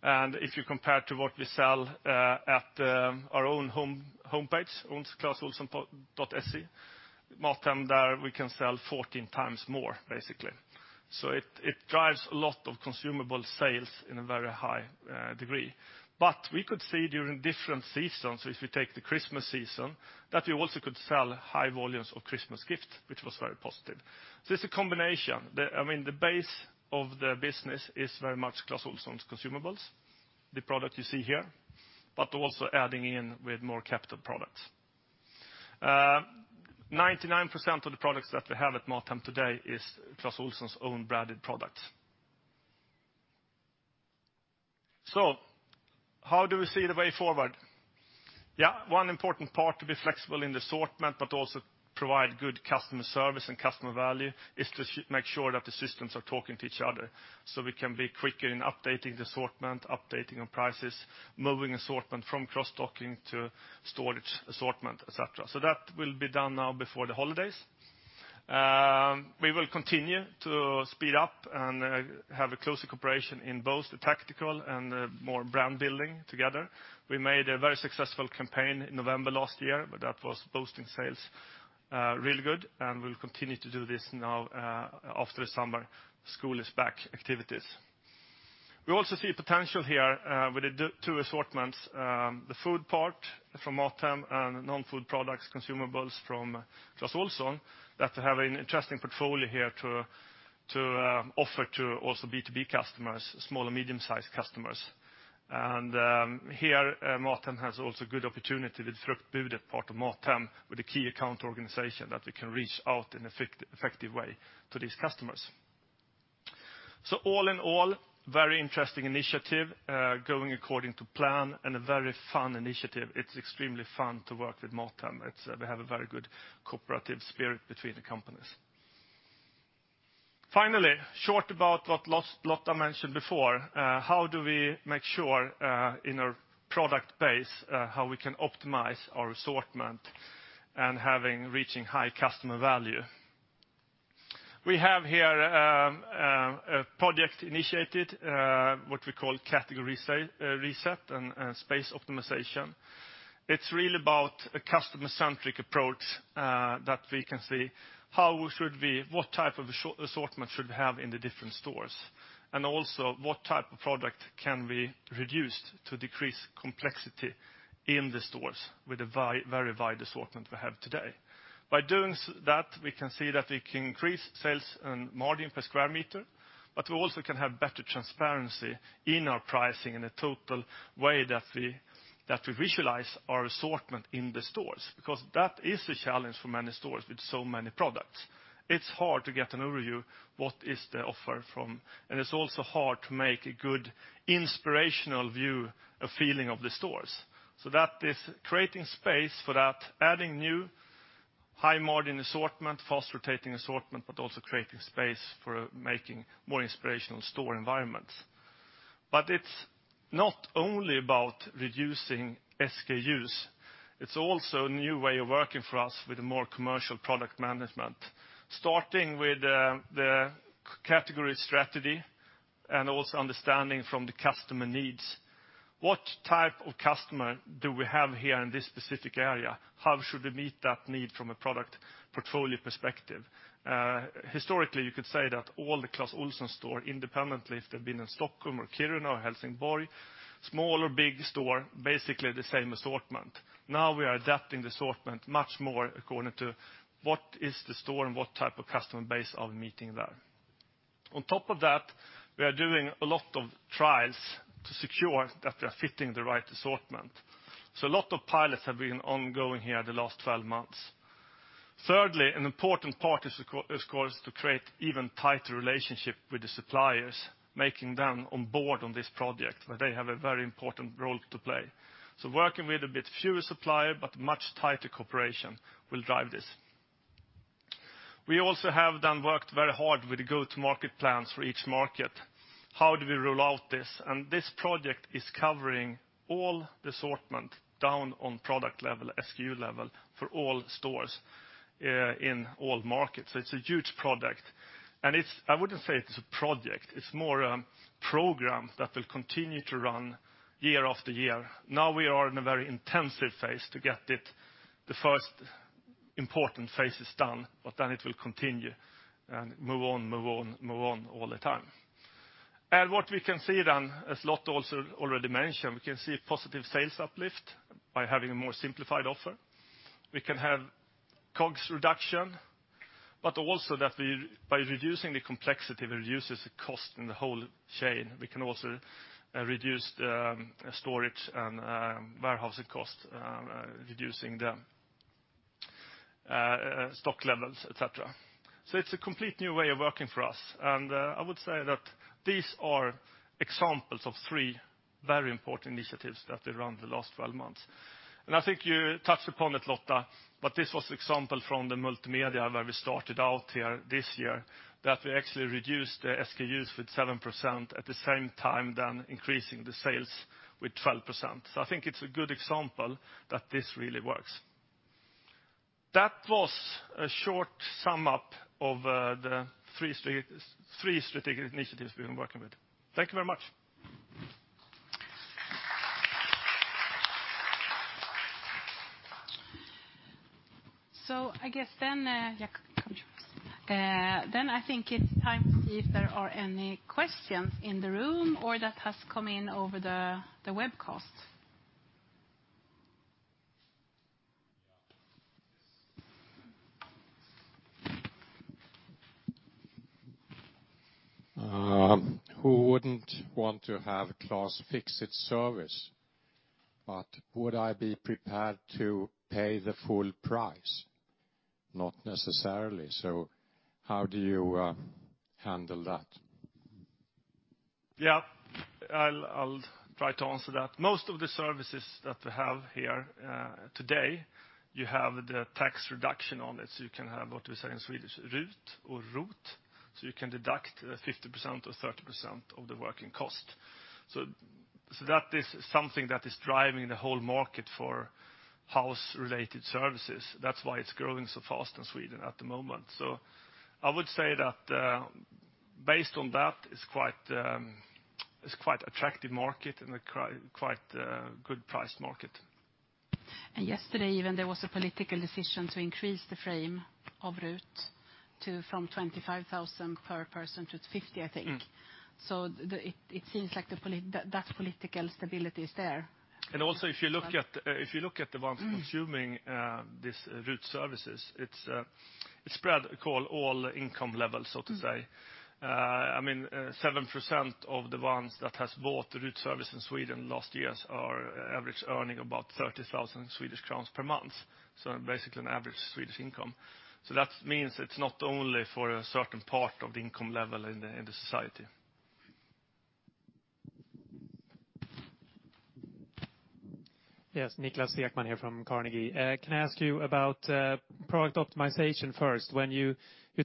If you compare to what we sell at our own homepage, own clasohlson.se, MatHem there we can sell 14 times more, basically. It drives a lot of consumable sales in a very high degree. We could see during different seasons, if we take the Christmas season, that we also could sell high volumes of Christmas gift, which was very positive. It's a combination. I mean, the base of the business is very much Clas Ohlson's consumables, the product you see here, but also adding in with more capital products. 99% of the products that we have at MatHem today is Clas Ohlson's own branded products. How do we see the way forward? One important part to be flexible in the assortment, but also provide good customer service and customer value is to make sure that the systems are talking to each other, so we can be quicker in updating the assortment, updating our prices, moving assortment from cross-docking to storage assortment, et cetera. That will be done now before the holidays. We will continue to speed up and have a closer cooperation in both the tactical and the more brand building together. We made a very successful campaign in November last year, but that was boosting sales really good, and we'll continue to do this now after the summer, school is back activities. We also see potential here with the two assortments, the food part from MatHem and non-food products, consumables from Clas Ohlson, that they have an interesting portfolio here to offer to also B2B customers, small and medium-sized customers. Here, MatHem has also good opportunity with Fruktbudet part of MatHem with a key account organization that we can reach out in effective way to these customers. All in all, very interesting initiative, going according to plan and a very fun initiative. It's extremely fun to work with MatHem. It's, we have a very good cooperative spirit between the companies. Finally, short about what Lotta mentioned before, how do we make sure in our product base, how we can optimize our assortment and having reaching high customer value? We have here a project initiated, what we call category reset and space optimization. It's really about a customer-centric approach that we can see how should we, what type of assortment should we have in the different stores? Also what type of product can be reduced to decrease complexity in the stores with the very wide assortment we have today. By doing that, we can see that we can increase sales and margin per square meter, we also can have better transparency in our pricing in a total way that we visualize our assortment in the stores. That is a challenge for many stores with so many products. It's hard to get an overview what is the offer from. It's also hard to make a good inspirational view, a feeling of the stores. That is creating space for that, adding new high-margin assortment, fast-rotating assortment, but also creating space for making more inspirational store environments. It's not only about reducing SKUs, it's also a new way of working for us with more commercial product management, starting with the category strategy and also understanding from the customer needs. What type of customer do we have here in this specific area? How should we meet that need from a product portfolio perspective? Historically, you could say that all the Clas Ohlson store independently, if they've been in Stockholm or Kiruna or Helsingborg, small or big store, basically the same assortment. Now we are adapting the assortment much more according to what is the store and what type of customer base are we meeting there. On top of that, we are doing a lot of trials to secure that we are fitting the right assortment. A lot of pilots have been ongoing here the last 12 months. Thirdly, an important part is of course to create even tighter relationship with the suppliers, making them on board on this project, where they have a very important role to play. Working with a bit fewer supplier, but much tighter cooperation will drive this. We also have then worked very hard with go-to-market plans for each market. How do we roll out this? This project is covering all the assortment down on product level, SKU level for all stores in all markets. It's a huge product. It's I wouldn't say it's a project, it's more a program that will continue to run year after year. Now we are in a very intensive phase to get it, the first important phases done, but then it will continue and move on all the time. What we can see then, as Lot also already mentioned, we can see positive sales uplift by having a more simplified offer. We can have COGS reduction, but also that we, by reducing the complexity, reduces the cost in the whole chain. We can also reduce the storage and warehousing costs, reducing the stock levels, et cetera. It's a complete new way of working for us. I would say that these are examples of three very important initiatives that we run the last 12 months. I think you touched upon it, Lotta, but this was example from the multimedia where we started out here this year, that we actually reduced the SKUs with 7% at the same time then increasing the sales with 12%. I think it's a good example that this really works. That was a short sum up of the three strategic initiatives we've been working with. Thank you very much. I guess then, Yeah, come to us. I think it's time to see if there are any questions in the room or that has come in over the webcast. Who wouldn't want to have Clas Fix it service? Would I be prepared to pay the full price? Not necessarily. How do you handle that? I'll try to answer that. Most of the services that we have here today, you have the tax reduction on it. You can have, what we say in Swedish, RUT or ROT, so you can deduct 50% or 30% of the working cost. That is something that is driving the whole market for house-related services. That's why it's growing so fast in Sweden at the moment. I would say that, based on that, it's quite, it's quite attractive market and a quite good priced market. Yesterday even there was a political decision to increase the frame of RUT to from 25,000 per person to 50, I think. Mm. It seems like political stability is there. Also if you look at the ones consuming, these RUT services, it's spread all income levels, so to say. I mean, 7% of the ones that has bought the RUT service in Sweden last years are average earning about 30,000 Swedish crowns per month. Basically an average Swedish income. That means it's not only for a certain part of the income level in the society. Yes. Niklas Ekman here from Carnegie. Can I ask you about product optimization first? When you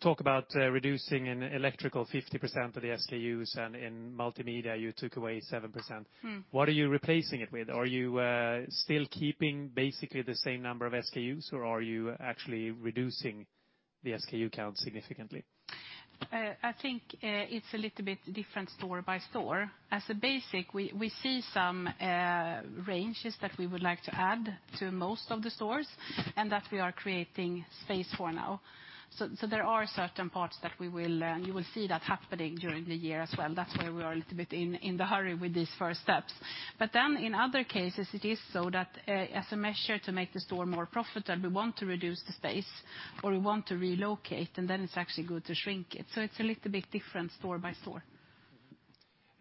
talk about reducing in electrical 50% of the SKUs and in multimedia you took away 7%. Mm. What are you replacing it with? Are you still keeping basically the same number of SKUs, or are you actually reducing the SKU count significantly? I think it's a little bit different store by store. As a basic, we see some ranges that we would like to add to most of the stores, and that we are creating space for now. There are certain parts that we will, you will see that happening during the year as well. That's why we are a little bit in the hurry with these first steps. In other cases it is so that, as a measure to make the store more profitable, we want to reduce the space or we want to relocate, and then it's actually good to shrink it. It's a little bit different store by store.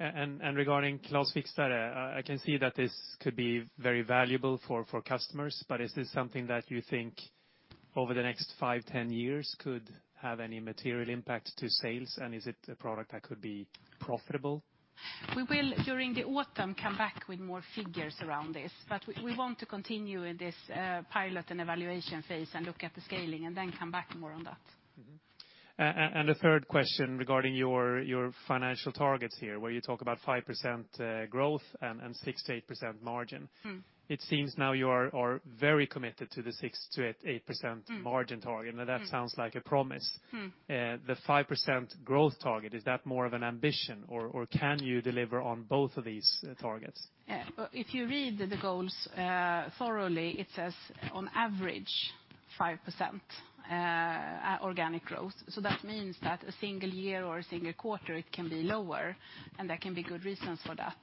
Regarding Clas Fixare, I can see that this could be very valuable for customers, but is this something that you think over the next five, 10 years could have any material impact to sales? Is it a product that could be profitable? We will during the autumn come back with more figures around this, but we want to continue in this pilot and evaluation phase and look at the scaling and then come back more on that. Mm-hmm. The third question regarding your financial targets here, where you talk about 5% growth and 6%-8% margin. Mm. It seems now you are very committed to the 6%-8% margin target. Mm. Mm. Now that sounds like a promise. Mm. The 5% growth target, is that more of an ambition or can you deliver on both of these targets? Yeah. Well, if you read the goals, thoroughly, it says on average 5% organic growth. That means that a single year or a single quarter, it can be lower and there can be good reasons for that.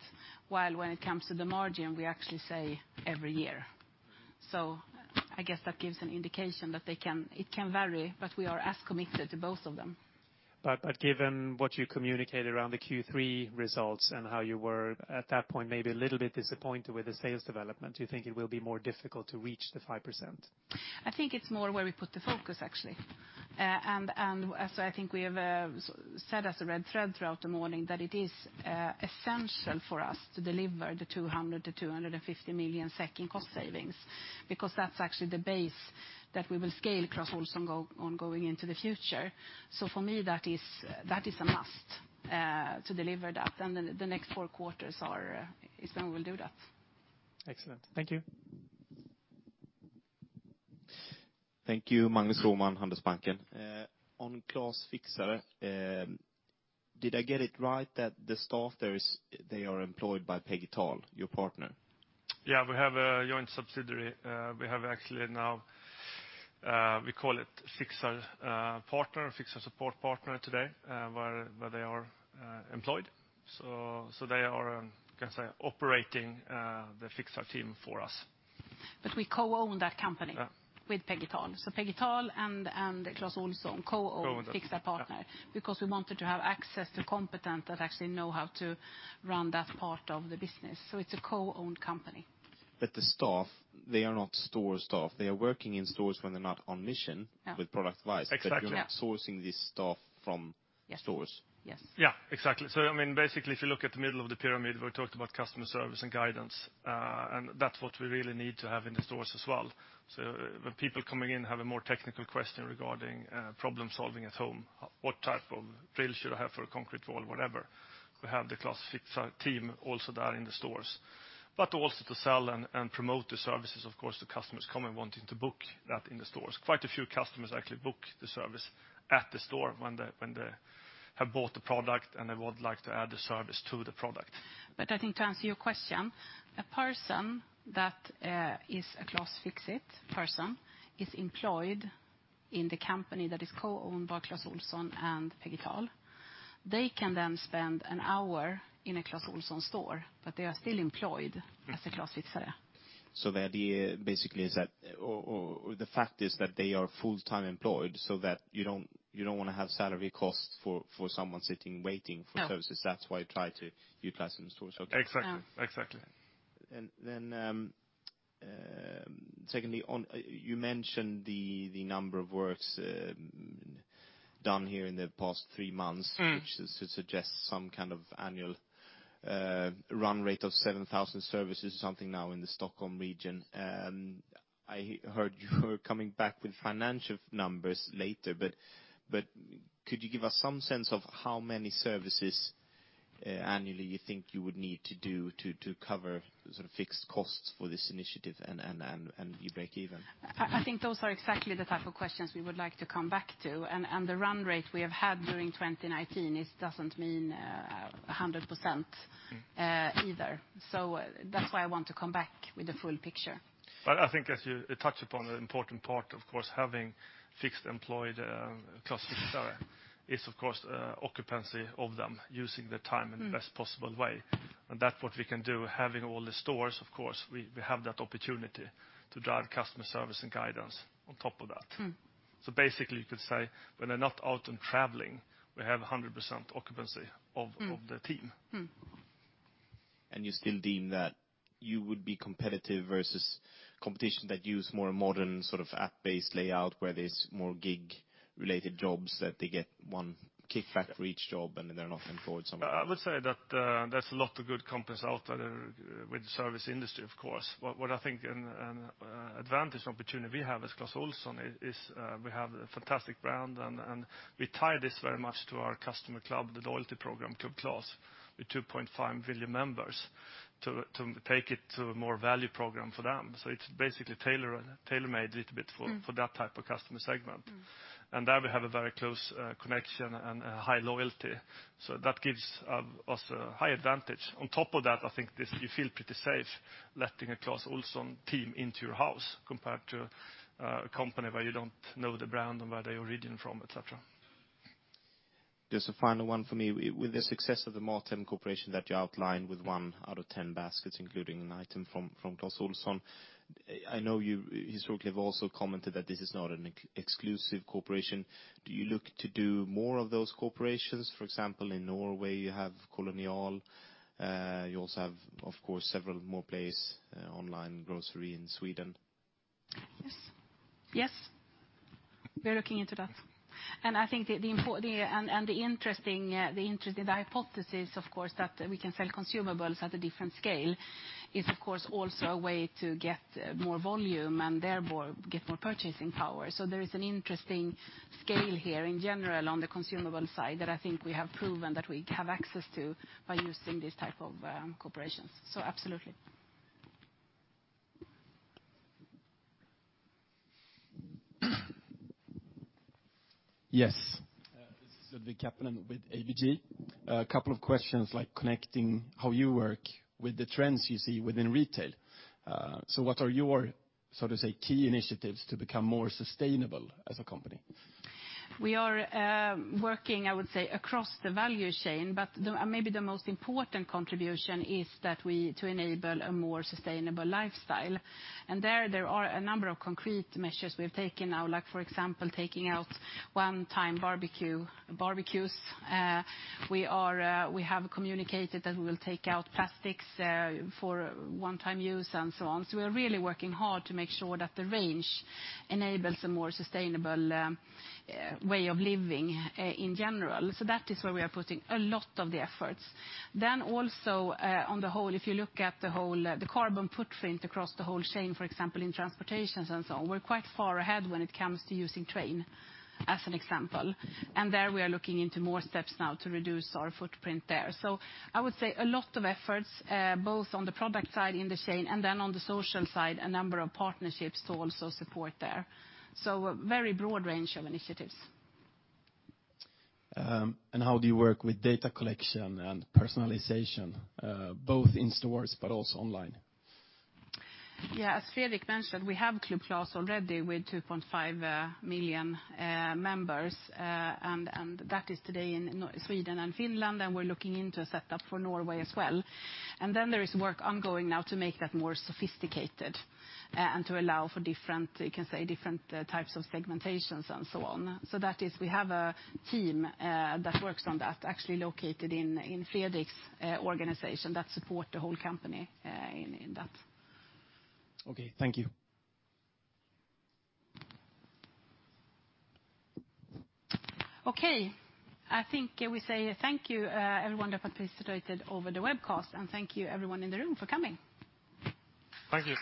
While when it comes to the margin, we actually say every year. I guess that gives an indication that it can vary, but we are as committed to both of them. Given what you communicated around the Q3 results and how you were at that point maybe a little bit disappointed with the sales development, do you think it will be more difficult to reach the 5%? I think it's more where we put the focus actually. As I think we have said as a red thread throughout the morning that it is essential for us to deliver the 200 million-250 million in cost savings, because that's actually the base that we will scale Clas Ohlson going into the future. For me, that is a must to deliver that. The next four quarters are when we'll do that. Excellent. Thank you. Thank you. Magnus Råman, Handelsbanken. On Clas Fixare, did I get it right that the starters, they are employed by Pegital, your partner? We have a joint subsidiary. We have actually now, we call it Fixare Partner or Fixare Support Partner today, where they are employed. They are, you can say operating, the Fixare team for us. We co-own that company- Yeah. with Pegital. Pegital and Clas Ohlson co-own... Co-own that, yeah. Clas Fixare because we wanted to have access to competent that actually know how to run that part of the business. It's a co-owned company. The staff, they are not store staff. They are working in stores when they're not on mission. Yeah. With product advice. Exactly. Yeah. You're not sourcing this staff from stores. Yes. Yes. Exactly. I mean, basically if you look at the middle of the pyramid, we talked about customer service and guidance, and that's what we really need to have in the stores as well. When people coming in have a more technical question regarding problem-solving at home, what type of drill should I have for a concrete wall? Whatever. We have the Clas Fixare team also there in the stores. Also to sell and promote the services, of course, the customers come in wanting to book that in the stores. Quite a few customers actually book the service at the store when they have bought the product and they would like to add the service to the product. I think to answer your question, a person that is a Clas Fix it person is employed in the company that is co-owned by Clas Ohlson and Pegital. They can then spend one hour in a Clas Ohlson store, but they are still employed as a Clas Fixare. The idea basically is that or the fact is that they are full-time employed so that you don't wanna have salary costs for someone sitting waiting for services. No. That's why you try to utilize them in stores. Okay. Exactly. Yeah. Exactly. Secondly, You mentioned the number of works done here in the past three months. Mm. Which suggests some kind of annual run rate of 7,000 services or something now in the Stockholm region. I heard you were coming back with financial numbers later. Could you give us some sense of how many services annually you think you would need to do to cover sort of fixed costs for this initiative and you break even? I think those are exactly the type of questions we would like to come back to. The run rate we have had during 2019 is doesn't mean 100% either. That's why I want to come back with the full picture. I think as you touch upon an important part, of course, having fixed employed, Clas Fixare is, of course, occupancy of them using their time. Mm. In the best possible way. That's what we can do. Having all the stores, of course, we have that opportunity to drive customer service and guidance on top of that. Mm. Basically you could say when they're not out and traveling, we have 100% occupancy. Mm. Of the team. Mm. You still deem that you would be competitive versus competition that use more modern sort of app-based layout where there's more gig-related jobs, that they get one kickback for each job and then they're not employed somewhere? I would say that there's a lot of good companies out there with service industry, of course. What I think an advantage opportunity we have as Clas Ohlson is we have a fantastic brand and we tie this very much to our customer club, the loyalty program Club Clas with 2.5 million members to take it to a more value program for them. It's basically tailor-made a little bit. Mm. For that type of customer segment. Mm. There we have a very close connection and high loyalty. That gives us a high advantage. On top of that, I think this, you feel pretty safe letting a Clas Ohlson team into your house compared to a company where you don't know the brand and where they're originating from, et cetera. Just a final one for me. With the success of the MatHem cooperation that you outlined with one out of 10 baskets including an item from Clas Ohlson, I know you historically have also commented that this is not an exclusive cooperation. Do you look to do more of those cooperations? For example, in Norway you have Kolonial. You also have, of course, several more place online grocery in Sweden. Yes. Yes. We're looking into that. I think the interesting hypothesis, of course, that we can sell consumables at a different scale is, of course, also a way to get more volume and therefore get more purchasing power. There is an interesting scale here in general on the consumable side that I think we have proven that we have access to by using these type of cooperations. Absolutely. Yes. This is Ludvig Kaplan with ABG. A couple of questions like connecting how you work with the trends you see within retail. What are your, so to say, key initiatives to become more sustainable as a company? We are working, I would say, across the value chain, but maybe the most important contribution is that we enable a more sustainable lifestyle. There, there are a number of concrete measures we have taken now, like for example, taking out one-time barbecue, barbecues. We have communicated that we will take out plastics for one-time use and so on. We are really working hard to make sure that the range enables a more sustainable way of living in general. That is where we are putting a lot of the efforts. Also, on the whole, if you look at the whole carbon footprint across the whole chain, for example, in transportations and so on, we're quite far ahead when it comes to using train, as an example. There we are looking into more steps now to reduce our footprint there. I would say a lot of efforts, both on the product side in the chain, on the social side, a number of partnerships to also support there. A very broad range of initiatives. How do you work with data collection and personalization, both in stores but also online? As Fredrik mentioned, we have Club Clas already with 2.5 million members. That is today in Sweden and Finland, and we're looking into a setup for Norway as well. There is work ongoing now to make that more sophisticated and to allow for different, you can say, different types of segmentations and so on. That is we have a team that works on that, actually located in Fredrik's organization that support the whole company in that. Okay. Thank you. Okay. I think we say thank you, everyone that participated over the webcast. Thank you everyone in the room for coming. Thank you.